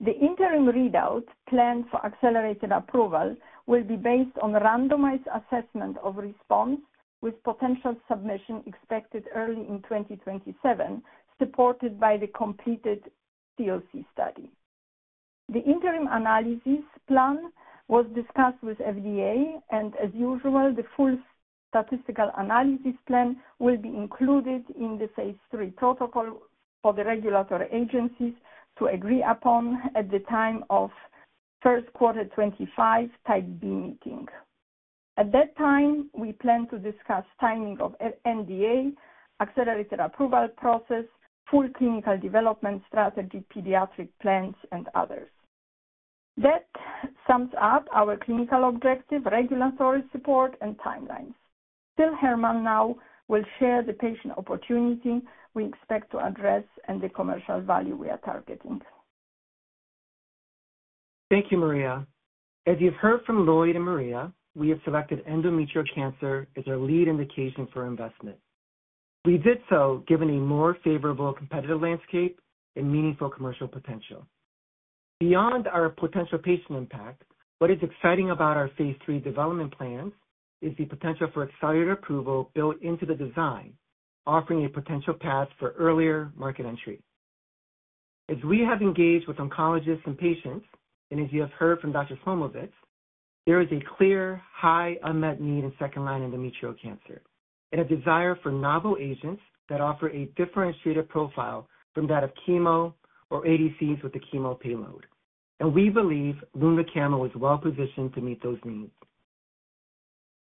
The interim readout planned for accelerated approval will be based on randomized assessment of response with potential submission expected early in 2027, supported by the completed COC study. The interim analysis plan was discussed with FDA, and as usual, the full statistical analysis plan will be included in the phase lll protocol for the regulatory agencies to agree upon at the time of first quarter 2025 Type B meeting. At that time, we plan to discuss timing of NDA, accelerated approval process, full clinical development strategy, pediatric plans, and others. That sums up our clinical objective, regulatory support, and timelines. Phil Herman now will share the patient opportunity we expect to address and the commercial value we are targeting. Thank you, Maria. As you've heard from Lloyd and Maria, we have selected endometrial cancer as our lead indication for investment. We did so given a more favorable competitive landscape and meaningful commercial potential. Beyond our potential patient impact, what is exciting about our phase lll development plans is the potential for accelerated approval built into the design, offering a potential path for earlier market entry. As we have engaged with oncologists and patients, and as you have heard from Dr. Slomovitz, there is a clear high unmet need in second-line endometrial cancer and a desire for novel agents that offer a differentiated profile from that of chemo or ADCs with the chemo payload. We believe Lunre-Camo is well positioned to meet those needs.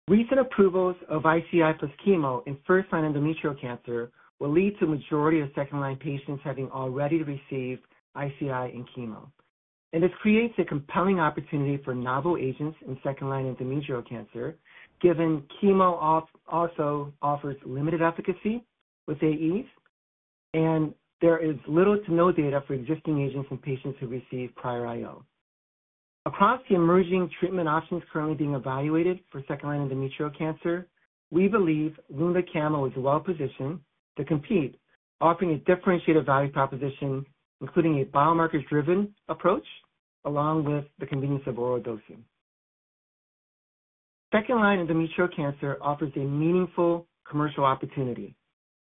Recent approvals of ICI plus chemo in first-line endometrial cancer will lead to the majority of second-line patients having already received ICI and chemo. This creates a compelling opportunity for novel agents in second-line endometrial cancer, given chemo also offers limited efficacy with AEs, and there is little to no data for existing agents and patients who received prior IO. Across the emerging treatment options currently being evaluated for second-line endometrial cancer, we believe Lunre-Camo is well positioned to compete, offering a differentiated value proposition, including a biomarker-driven approach along with the convenience of oral dosing. Second-line endometrial cancer offers a meaningful commercial opportunity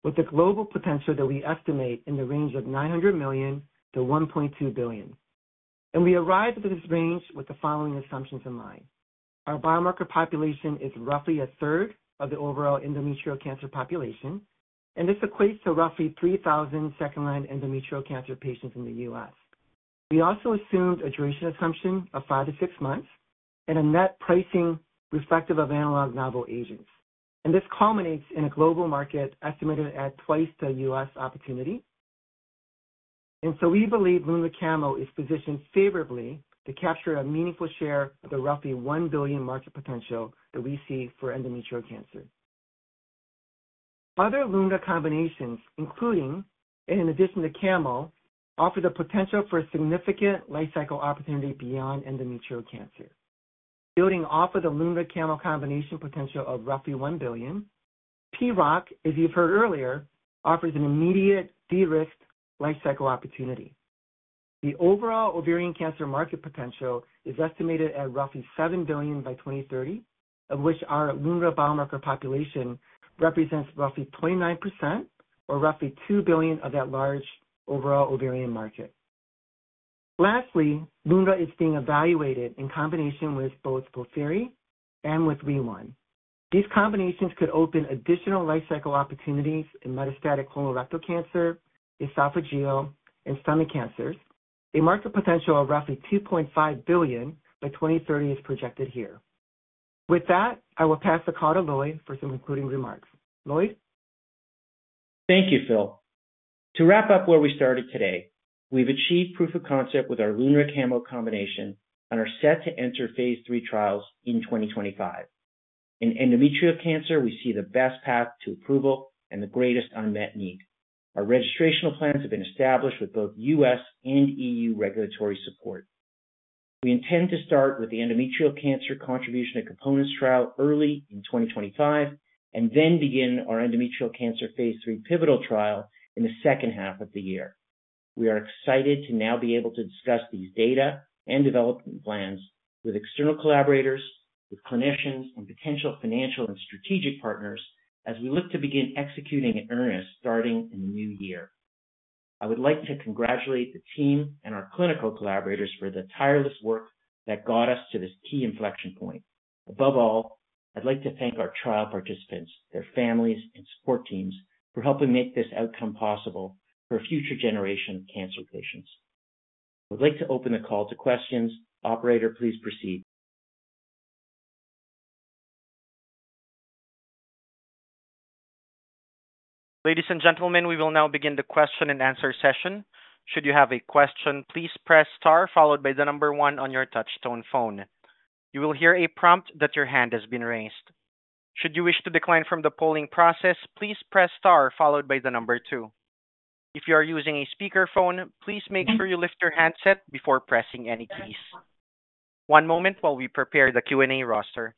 with a global potential that we estimate in the range of $900 million-$1.2 billion. We arrived at this range with the following assumptions in mind. Our biomarker population is roughly a third of the overall endometrial cancer population, and this equates to roughly 3,000 second-line endometrial cancer patients in the U.S. We also assumed a duration assumption of five to six months and a net pricing reflective of analog novel agents. This culminates in a global market estimated at twice the U.S. opportunity. We believe Lunre-Camo is positioned favorably to capture a meaningful share of the roughly $1 billion market potential that we see for endometrial cancer. Other Lunre combinations, including and in addition to Camo, offer the potential for a significant life cycle opportunity beyond endometrial cancer. Building off of the Lunre-Camo combination potential of roughly $1 billion, PROC, as you've heard earlier, offers an immediate de-risked life cycle opportunity. The overall ovarian cancer market potential is estimated at roughly $7 billion by 2030, of which our Lunre biomarker population represents roughly 29% or roughly $2 billion of that large overall ovarian market. Lastly, Lunresertib is being evaluated in combination with both FOLFIRI and with WEE1. These combinations could open additional life cycle opportunities in metastatic colorectal cancer, esophageal, and stomach cancers. A market potential of roughly $2.5 billion by 2030 is projected here. With that, I will pass the call to Lloyd for some concluding remarks. Lloyd? Thank you, Phil. To wrap up where we started today, we've achieved proof of concept with our Lunre-Camo combination and are set to enter phase lll trials in 2025. In endometrial cancer, we see the best path to approval and the greatest unmet need. Our registrational plans have been established with both U.S. and EU regulatory support. We intend to start with the endometrial cancer contribution of components trial early in 2025 and then begin our endometrial cancer phase lll pivotal trial in the second half of the year. We are excited to now be able to discuss these data and development plans with external collaborators, with clinicians, and potential financial and strategic partners as we look to begin executing in earnest starting in the new year. I would like to congratulate the team and our clinical collaborators for the tireless work that got us to this key inflection point. Above all, I'd like to thank our trial participants, their families, and support teams for helping make this outcome possible for a future generation of cancer patients. I would like to open the call to questions. Operator, please proceed. Ladies and gentlemen, we will now begin the question and answer session. Should you have a question, please press star followed by the number one on your touch-tone phone. You will hear a prompt that your hand has been raised. Should you wish to decline from the polling process, please press star followed by the number two. If you are using a speakerphone, please make sure you lift your handset before pressing any keys. One moment while we prepare the Q&A roster.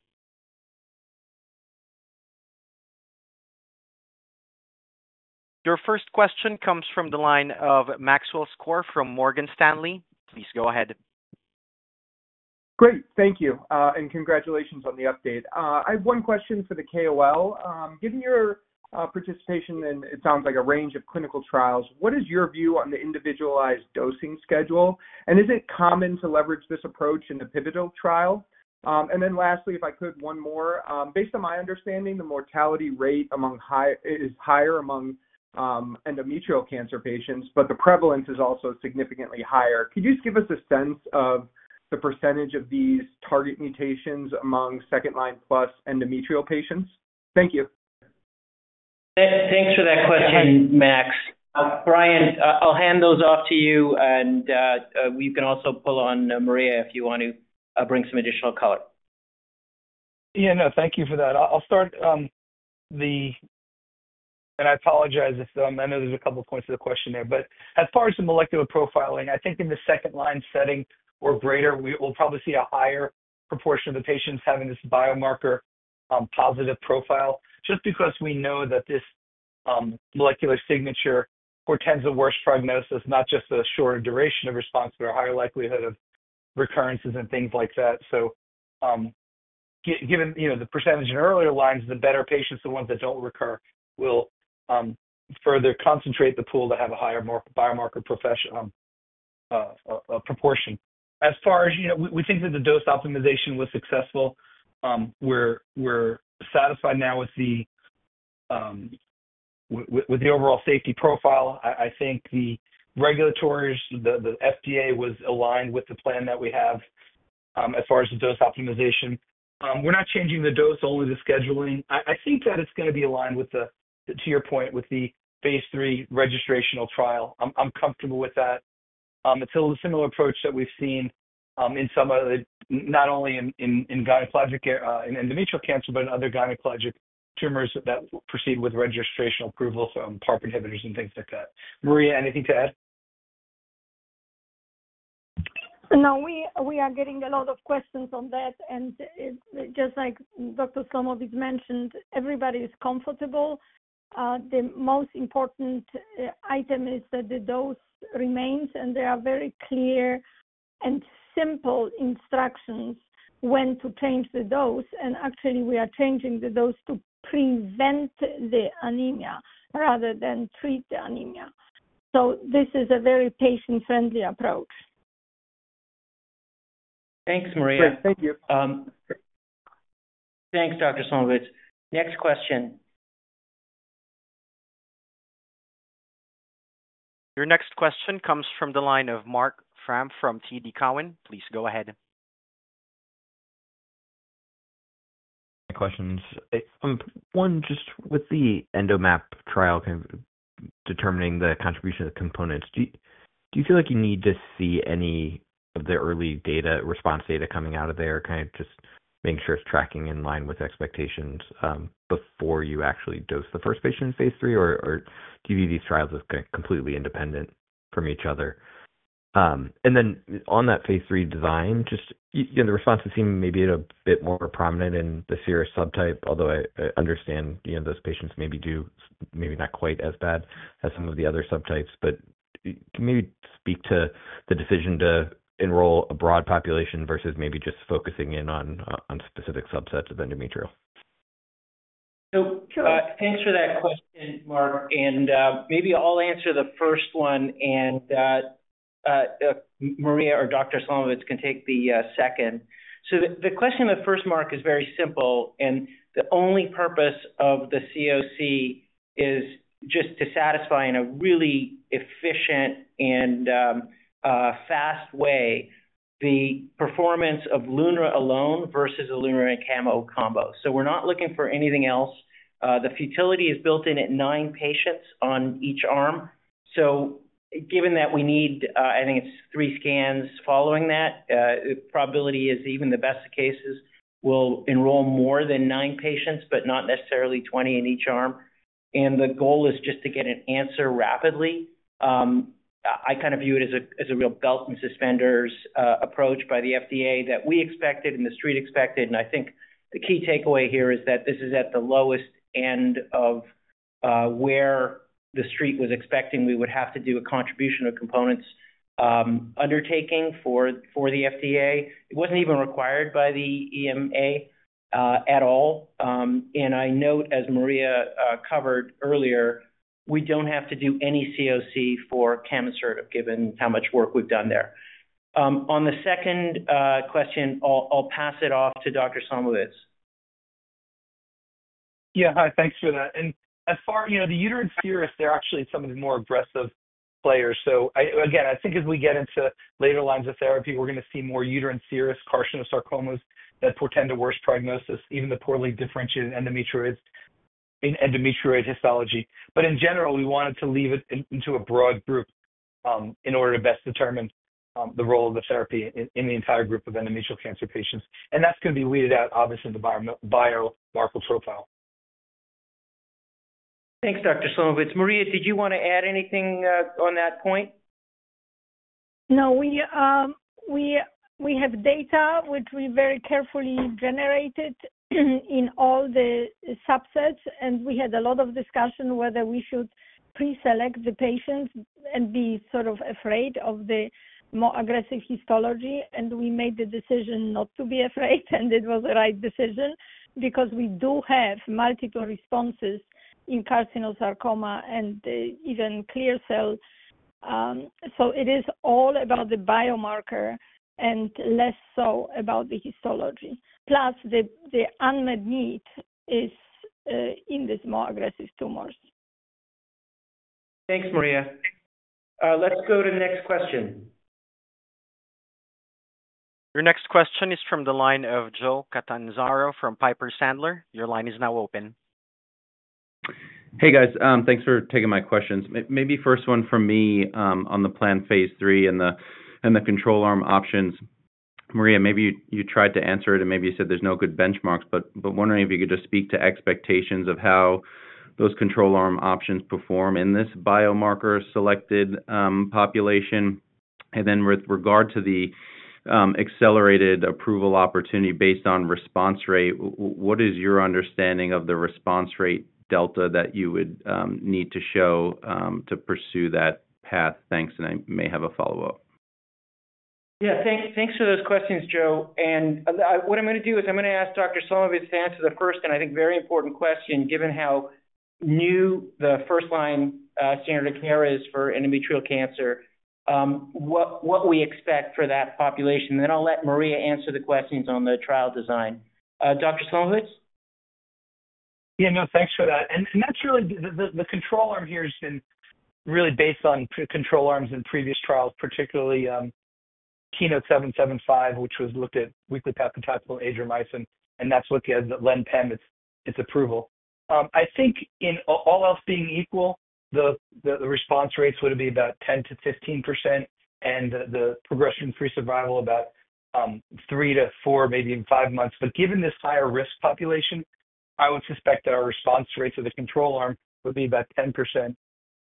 Your first question comes from the line of Maxwell Skor from Morgan Stanley. Please go ahead. Great. Thank you. And congratulations on the update. I have one question for the KOL. Given your participation in, it sounds like, a range of clinical trials, what is your view on the individualized dosing schedule? And is it common to leverage this approach in the pivotal trial? And then lastly, if I could, one more. Based on my understanding, the mortality rate is higher among endometrial cancer patients, but the prevalence is also significantly higher. Could you just give us a sense of the percentage of these target mutations among second-line plus endometrial patients? Thank you. Thanks for that question, Max. Brian, I'll hand those off to you, and you can also pull on Maria if you want to bring some additional color. Yeah, no, thank you for that. I'll start the—and I apologize, I know there's a couple of points to the question there. But as far as the molecular profiling, I think in the second-line setting or greater, we'll probably see a higher proportion of the patients having this biomarker positive profile just because we know that this molecular signature portends a worse prognosis, not just a shorter duration of response, but a higher likelihood of recurrences and things like that. So given the percentage in earlier lines, the better patients, the ones that don't recur, will further concentrate the pool that have a higher biomarker proportion. As far as we think that the dose optimization was successful, we're satisfied now with the overall safety profile. I think the regulators, the FDA, was aligned with the plan that we have as far as the dose optimization. We're not changing the dose, only the scheduling. I think that it's going to be aligned with the, to your point, with the phase lll registrational trial. I'm comfortable with that. It's a similar approach that we've seen in some of the, not only in endometrial cancer, but in other gynecologic tumors that proceed with registration approval from PARP inhibitors and things like that. Maria, anything to add? No, we are getting a lot of questions on that. And just like Dr. Slomovitz mentioned, everybody is comfortable. The most important item is that the dose remains, and there are very clear and simple instructions when to change the dose. And actually, we are changing the dose to prevent the anemia rather than treat the anemia. So this is a very patient-friendly approach. Thanks, Maria. Thank you. Thanks, Dr. Slomovitz. Next question. Your next question comes from the line of Marc Frahm from TD Cowen. Please go ahead. Questions. One, just with the EndoMAP trial determining the contribution of components, do you feel like you need to see any of the early data response data coming out of there, kind of just making sure it's tracking in line with expectations before you actually dose the first patient in phase lll, or do you view these trials as kind of completely independent from each other? And then on that phase lll design, just the responses seem maybe a bit more prominent in the serous subtype, although I understand those patients maybe do maybe not quite as bad as some of the other subtypes. But can you speak to the decision to enroll a broad population versus maybe just focusing in on specific subsets of endometrial? So thanks for that question, Marc. And maybe I'll answer the first one, and Maria or Dr. Slomovitz can take the second. So the question in the first, Marc, is very simple. And the only purpose of the COC is just to satisfy in a really efficient and fast way the performance of Lunre alone versus a Lunre and Camo combo. So we're not looking for anything else. The futility is built in at nine patients on each arm. So, given that we need, I think it's three scans following that, the probability is even the best of cases we'll enroll more than nine patients, but not necessarily 20 in each arm. And the goal is just to get an answer rapidly. I kind of view it as a real belt and suspenders approach by the FDA that we expected and the street expected. And I think the key takeaway here is that this is at the lowest end of where the street was expecting we would have to do a contribution of components undertaking for the FDA. It wasn't even required by the EMA at all. And I note, as Maria covered earlier, we don't have to do any COC for Camonsertib given how much work we've done there. On the second question, I'll pass it off to Dr. Slomovitz. Yeah, hi, thanks for that. As far as the uterine serous, they're actually some of the more aggressive players. So again, I think as we get into later lines of therapy, we're going to see more uterine serous carcinosarcomas that portend a worse prognosis, even the poorly differentiated endometrioid histology. But in general, we wanted to leave it into a broad group in order to best determine the role of the therapy in the entire group of endometrial cancer patients. That's going to be weeded out, obviously, in the biomarker profile. Thanks, Dr. Slomovitz. Maria, did you want to add anything on that point? No, we have data, which we very carefully generated in all the subsets. We had a lot of discussion whether we should pre-select the patients and be sort of afraid of the more aggressive histology. And we made the decision not to be afraid, and it was the right decision because we do have multiple responses in carcinosarcoma and even clear cell. So it is all about the biomarker and less so about the histology. Plus, the unmet need is in these more aggressive tumors. Thanks, Maria. Let's go to the next question. Your next question is from the line of Joe Catanzaro from Piper Sandler. Your line is now open. Hey, guys. Thanks for taking my questions. Maybe first one for me on the planned phase lll and the control arm options. Maria, maybe you tried to answer it, and maybe you said there's no good benchmarks, but wondering if you could just speak to expectations of how those control arm options perform in this biomarker-selected population. And then with regard to the accelerated approval opportunity based on response rate, what is your understanding of the response rate delta that you would need to show to pursue that path? Thanks. And I may have a follow-up. Yeah, thanks for those questions, Joe. And what I'm going to do is I'm going to ask Dr. Slomovitz to answer the first and I think very important question, given how new the first-line standard of care is for endometrial cancer, what we expect for that population. And then I'll let Maria answer the questions on the trial design. Dr. Slomovitz? Yeah, no, thanks for that. And actually, the control arm here has been really based on control arms in previous trials, particularly KEYNOTE-775, which was looked at weekly paclitaxel Adriamycin. And that's what gives Len/Pem its approval. I think in all else being equal, the response rates would be about 10%-15% and the progression-free survival about three to four, maybe even five months. But given this higher risk population, I would suspect that our response rates of the control arm would be about 10%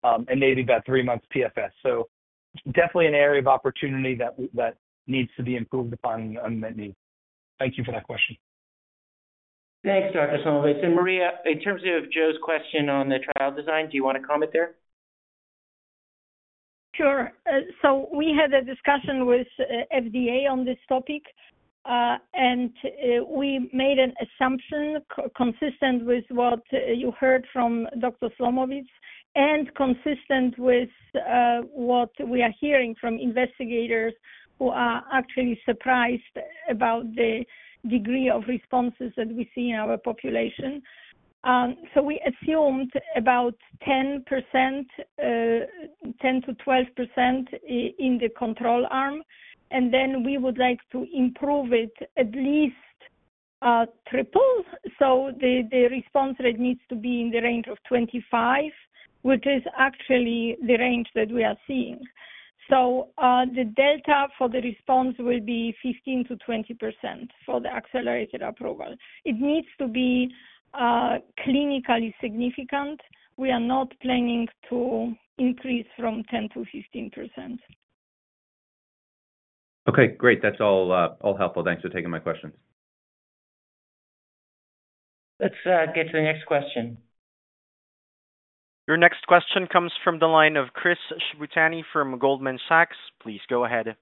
and maybe about three months PFS. So definitely an area of opportunity that needs to be improved upon the unmet need. Thank you for that question. Thanks, Dr. Slomovitz. And Maria, in terms of Joe's question on the trial design, do you want to comment there? Sure. So we had a discussion with FDA on this topic, and we made an assumption consistent with what you heard from Dr. Slomovitz and consistent with what we are hearing from investigators who are actually surprised about the degree of responses that we see in our population. So we assumed about 10%, 10%-12% in the control arm. And then we would like to improve it at least triple. So the response rate needs to be in the range of 25, which is actually the range that we are seeing. So the delta for the response will be 15%-20% for the accelerated approval. It needs to be clinically significant. We are not planning to increase from 10%-15%. Okay, great. That's all helpful. Thanks for taking my questions. Let's get to the next question. Your next question comes from the line of Chris Shibutani from Goldman Sachs. Please go ahead.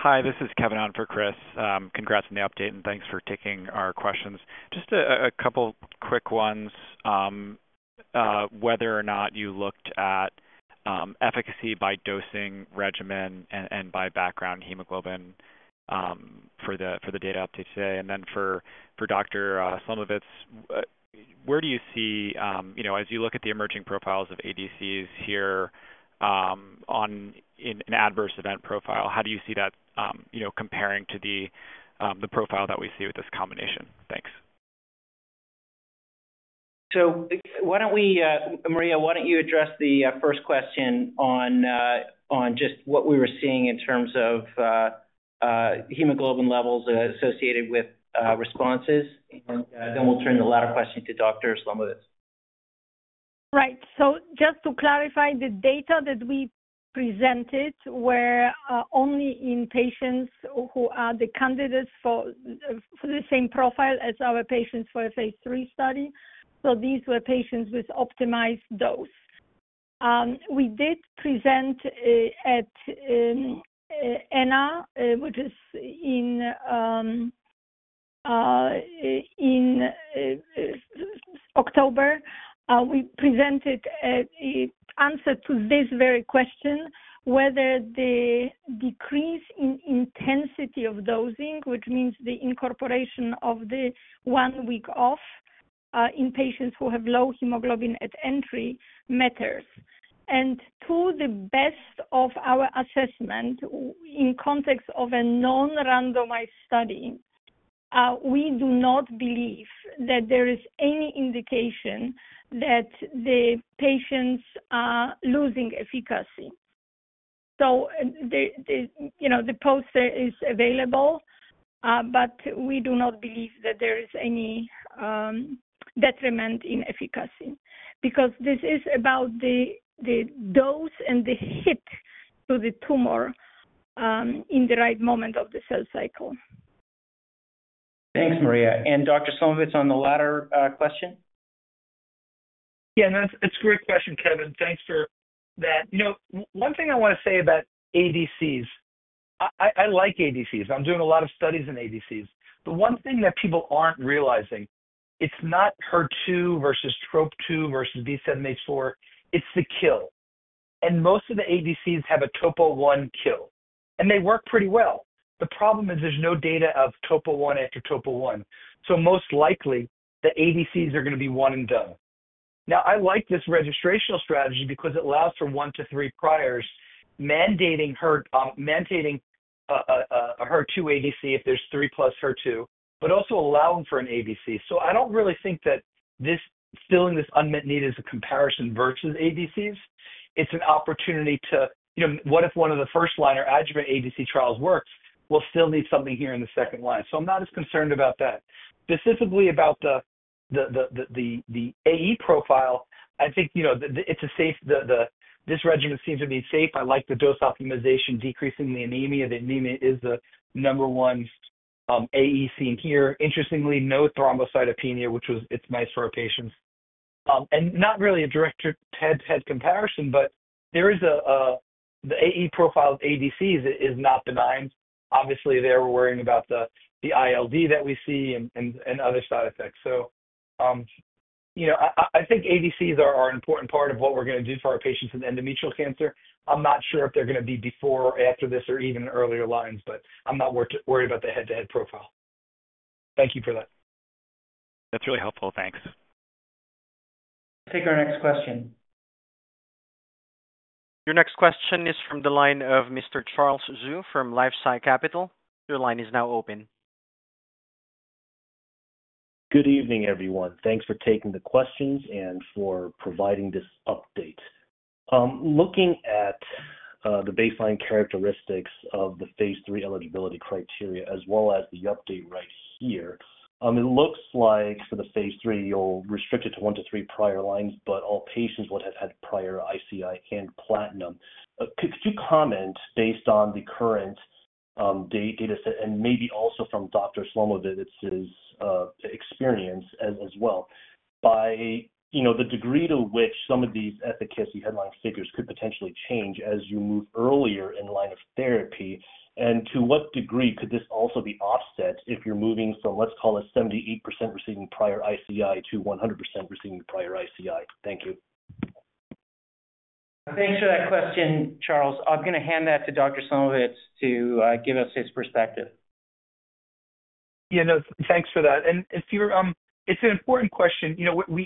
Hi, this is Kevin on for Chris. Congrats on the update, and thanks for taking our questions. Just a couple of quick ones, whether or not you looked at efficacy by dosing regimen and by background hemoglobin for the data update today. And then for Dr. Slomovitz, where do you see, as you look at the emerging profiles of ADCs here in an adverse event profile, how do you see that comparing to the profile that we see with this combination? Thanks. So why don't we, Maria, why don't you address the first question on just what we were seeing in terms of hemoglobin levels associated with responses? And then we'll turn the latter question to Dr. Slomovitz. Right. So just to clarify, the data that we presented were only in patients who are the candidates for the same profile as our patients for a phase lll study. So these were patients with optimized dose. We did present at ENA, which is in October. We presented an answer to this very question, whether the decrease in intensity of dosing, which means the incorporation of the one-week off in patients who have low hemoglobin at entry, matters. And to the best of our assessment, in context of a non-randomized study, we do not believe that there is any indication that the patients are losing efficacy. So the poster is available, but we do not believe that there is any detriment in efficacy because this is about the dose and the hit to the tumor in the right moment of the cell cycle. Thanks, Maria. And Dr. Slomovitz on the latter question? Yeah, that's a great question, Kevin. Thanks for that. One thing I want to say about ADCs, I like ADCs. I'm doing a lot of studies in ADCs. But one thing that people aren't realizing, it's not HER2 versus TROP2 versus B7-H4. It's the kill. Most of the ADCs have a TOPO1 kill. And they work pretty well. The problem is there's no data of TOPO1 after TOPO1. So most likely, the ADCs are going to be one and done. Now, I like this registrational strategy because it allows for one to three priors mandating HER2 ADC if there's three plus HER2, but also allowing for an ADC. So I don't really think that filling this unmet need is a comparison versus ADCs. It's an opportunity to, what if one of the first-line or adjuvant ADC trials works, we'll still need something here in the second line. So I'm not as concerned about that. Specifically about the AE profile, I think it's safe. This regimen seems to be safe. I like the dose optimization decreasing the anemia. The anemia is the number one AE seen here. Interestingly, no thrombocytopenia, which was. It's nice for our patients. Not really a direct head-to-head comparison, but there is the AE profile of ADCs is not benign. Obviously, they were worrying about the ILD that we see and other side effects. I think ADCs are an important part of what we're going to do for our patients in endometrial cancer. I'm not sure if they're going to be before or after this or even earlier lines, but I'm not worried about the head-to-head profile. Thank you for that. That's really helpful. Thanks. Take our next question. Your next question is from the line of Mr. Charles Zhu from LifeSci Capital. Your line is now open. Good evening, everyone. Thanks for taking the questions and for providing this update. Looking at the baseline characteristics of the phase lll eligibility criteria as well as the update right here, it looks like for the phase lll, you'll restrict it to one to three prior lines, but all patients would have had prior ICI and platinum. Could you comment based on the current data set and maybe also from Dr. Slomovitz's experience as well, by the degree to which some of these efficacy headline figures could potentially change as you move earlier in line of therapy? And to what degree could this also be offset if you're moving from, let's call it, 78% receiving prior ICI to 100% receiving prior ICI? Thank you. Thanks for that question, Charles. I'm going to hand that to Dr. Slomovitz to give us his perspective. Yeah, no, thanks for that. And it's an important question.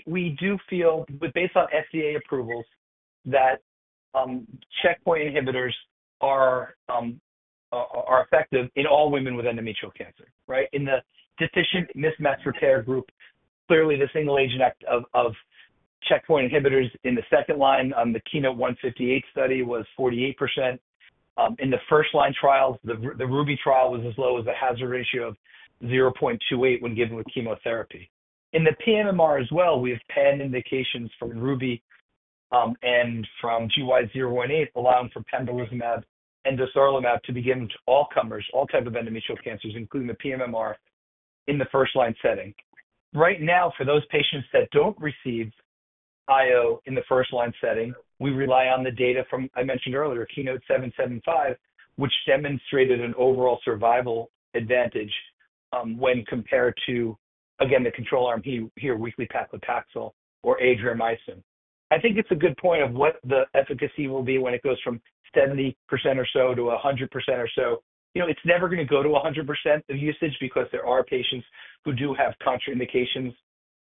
We do feel, based on FDA approvals, that checkpoint inhibitors are effective in all women with endometrial cancer, right? In the deficient mismatch repair group, clearly, the single agent act of checkpoint inhibitors in the second line on the KEYNOTE-158 study was 48%. In the first-line trials, the RUBY trial was as low as a hazard ratio of 0.28 when given with chemotherapy. In the pMMR as well, we have broad indications from RUBY and from GY018 allowing for pembrolizumab and dostarlimab to be given to all comers, all types of endometrial cancers, including the pMMR in the first-line setting. Right now, for those patients that don't receive IO in the first-line setting, we rely on the data from, I mentioned earlier, KEYNOTE-775, which demonstrated an overall survival advantage when compared to, again, the control arm here, weekly paclitaxel or Adriamycin. I think it's a good point of what the efficacy will be when it goes from 70% or so to 100% or so. It's never going to go to 100% of usage because there are patients who do have contraindications,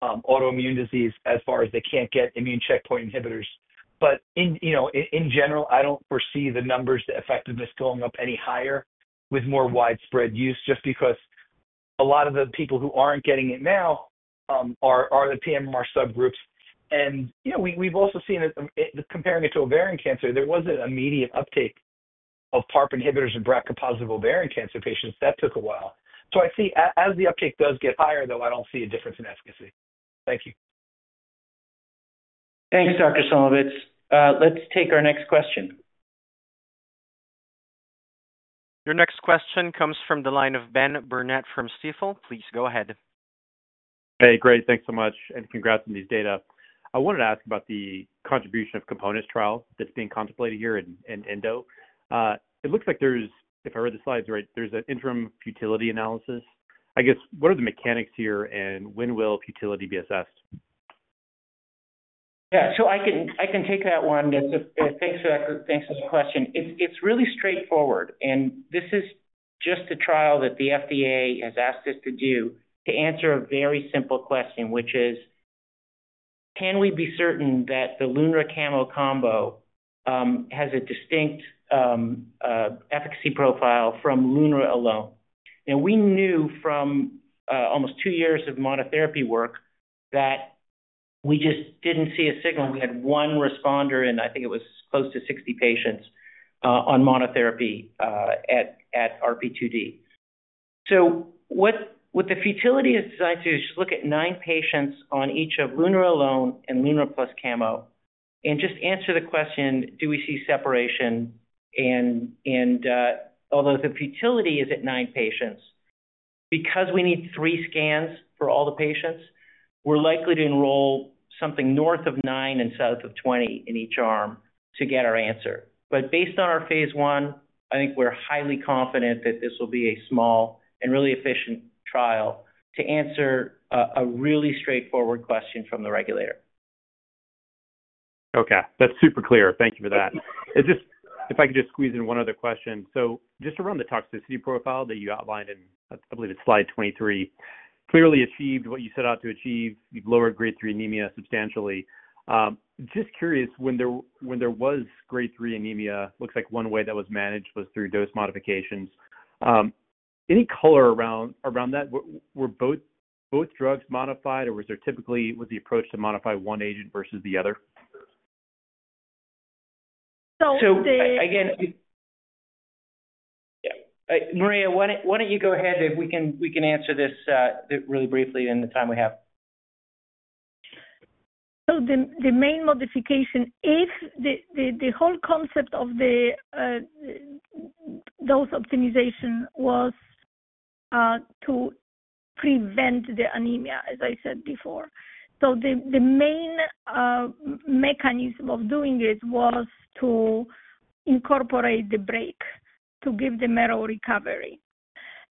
autoimmune disease, as far as they can't get immune checkpoint inhibitors. But in general, I don't foresee the numbers, the effectiveness going up any higher with more widespread use just because a lot of the people who aren't getting it now are the pMMR subgroups. And we've also seen that comparing it to ovarian cancer, there wasn't an immediate uptake of PARP inhibitors and BRCA-mutated ovarian cancer patients. That took a while. So I see as the uptake does get higher, though, I don't see a difference in efficacy. Thank you. Thanks, Dr. Slomovitz. Let's take our next question. Your next question comes from the line of Ben Burnett from Stifel. Please go ahead. Hey, great. Thanks so much. And congrats on these data. I wanted to ask about the contribution of components trial that's being contemplated here in EndoMAP. It looks like there's, if I read the slides right, there's an interim futility analysis. I guess, what are the mechanics here and when will futility be assessed? Yeah, so I can take that one. Thanks for the question. It's really straightforward. And this is just a trial that the FDA has asked us to do to answer a very simple question, which is, can we be certain that the Lunre-Camo combo has a distinct efficacy profile from Lunre alone? We knew from almost two years of monotherapy work that we just didn't see a signal. We had one responder, and I think it was close to 60 patients on monotherapy at RP2D. So what the futility is designed to do is just look at nine patients on each of Lunre alone and Lunre plus Camo, and just answer the question, do we see separation? And although the futility is at nine patients, because we need three scans for all the patients, we're likely to enroll something north of nine and south of 20 in each arm to get our answer. But based on our phase l, I think we're highly confident that this will be a small and really efficient trial to answer a really straightforward question from the regulator. Okay. That's super clear. Thank you for that. If I could just squeeze in one other question. So just around the toxicity profile that you outlined in, I believe it's slide 23, clearly achieved what you set out to achieve. You've lowered grade three anemia substantially. Just curious, when there was grade three anemia, looks like one way that was managed was through dose modifications. Any color around that? Were both drugs modified, or was the approach to modify one agent versus the other? So again, yeah. Maria, why don't you go ahead? We can answer this really briefly in the time we have. So the main modification, the whole concept of the dose optimization was to prevent the anemia, as I said before. So the main mechanism of doing it was to incorporate the break to give the marrow recovery.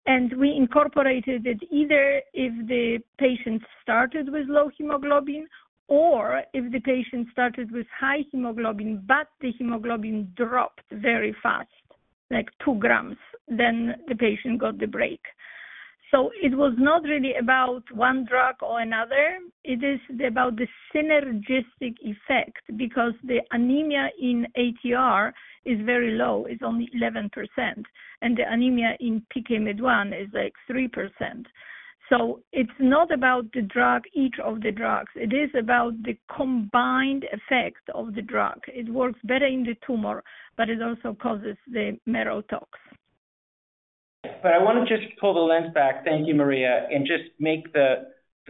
We incorporated it either if the patient started with low hemoglobin or if the patient started with high hemoglobin, but the hemoglobin dropped very fast, like 2 grams, then the patient got the break. So it was not really about one drug or another. It is about the synergistic effect because the anemia in ATR is very low. It's only 11%. And the anemia in PKMYT1 is like 3%. So it's not about each of the drugs. It is about the combined effect of the drug. It works better in the tumor, but it also causes the marrow tox. But I want to just pull the lens back. Thank you, Maria. And just make the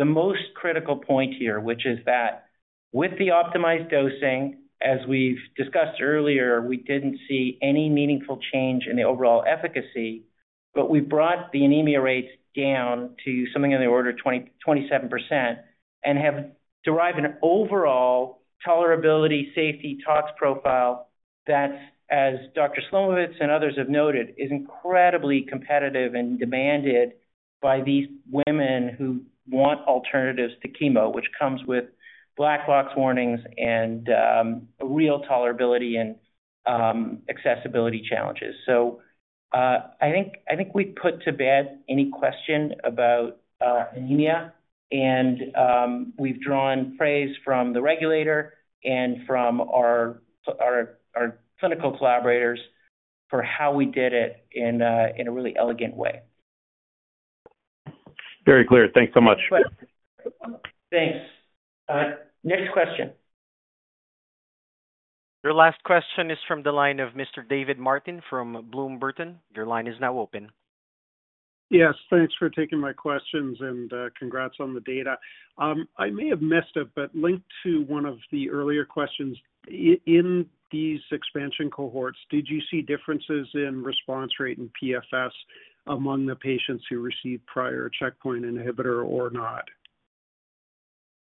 most critical point here, which is that with the optimized dosing, as we've discussed earlier, we didn't see any meaningful change in the overall efficacy, but we've brought the anemia rates down to something on the order of 27% and have derived an overall tolerability safety tox profile that, as Dr. Slomovitz and others have noted, is incredibly competitive and demanded by these women who want alternatives to chemo, which comes with black box warnings and real tolerability and accessibility challenges. So I think we've put to bed any question about anemia. And we've drawn praise from the regulator and from our clinical collaborators for how we did it in a really elegant way. Very clear. Thanks so much. Thanks. Next question. Your last question is from the line of Mr. David Martin from Bloom Burton. Your line is now open. Yes. Thanks for taking my questions and congrats on the data. I may have missed it, but linked to one of the earlier questions, in these expansion cohorts, did you see differences in response rate and PFS among the patients who received prior checkpoint inhibitor or not?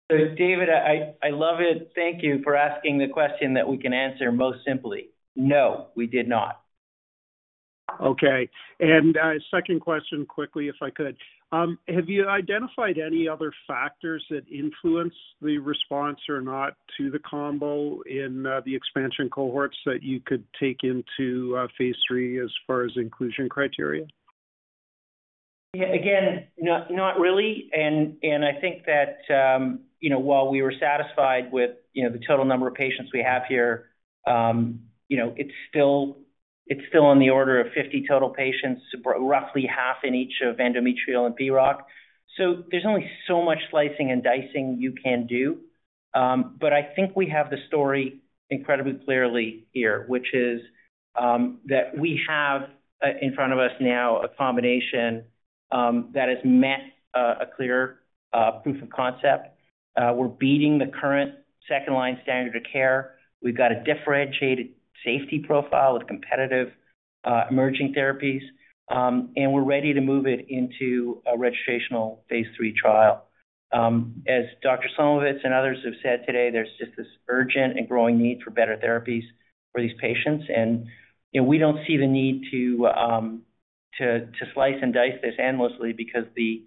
David, I love it. Thank you for asking the question that we can answer most simply. No, we did not. Okay. And second question, quickly, if I could. Have you identified any other factors that influence the response or not to the combo in the expansion cohorts that you could take into phase lll as far as inclusion criteria? Again, not really. And I think that while we were satisfied with the total number of patients we have here, it's still on the order of 50 total patients, roughly half in each of endometrial and PROC. So there's only so much slicing and dicing you can do. But I think we have the story incredibly clearly here, which is that we have in front of us now a combination that has met a clear proof of concept. We're beating the current second-line standard of care. We've got a differentiated safety profile with competitive emerging therapies. And we're ready to move it into a registrational phase lll trial. As Dr. Slomovitz and others have said today, there's just this urgent and growing need for better therapies for these patients. And we don't see the need to slice and dice this endlessly because the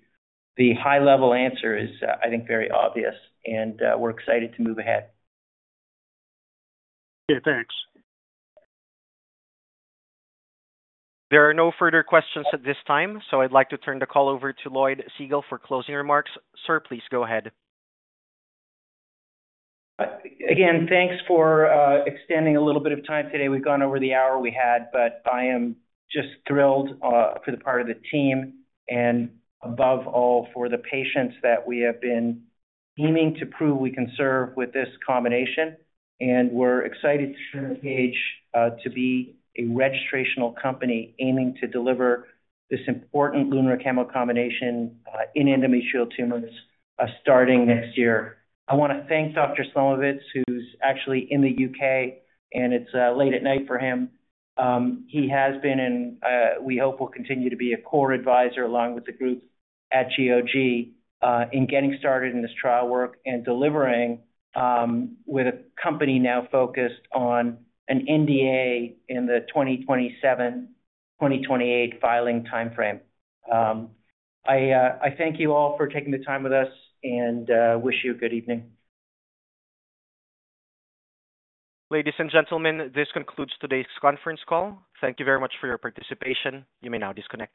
high-level answer is, I think, very obvious. And we're excited to move ahead. Yeah, thanks. There are no further questions at this time. So I'd like to turn the call over to Lloyd Segal for closing remarks. Sir, please go ahead. Again, thanks for extending a little bit of time today. We've gone over the hour we had, but I am just thrilled for the part of the team and above all for the patients that we have been aiming to prove we can serve with this combination, and we're excited to turn the page to be a registrational company aiming to deliver this important Lunre-Camo combination in endometrial tumors starting next year. I want to thank Dr. Slomovitz, who's actually in the U.K., and it's late at night for him. He has been, and we hope will continue to be a core advisor along with the group at GOG in getting started in this trial work and delivering with a company now focused on an NDA in the 2027-2028 filing timeframe. I thank you all for taking the time with us and wish you a good evening. Ladies and gentlemen, this concludes today's conference call. Thank you very much for your participation. You may now disconnect.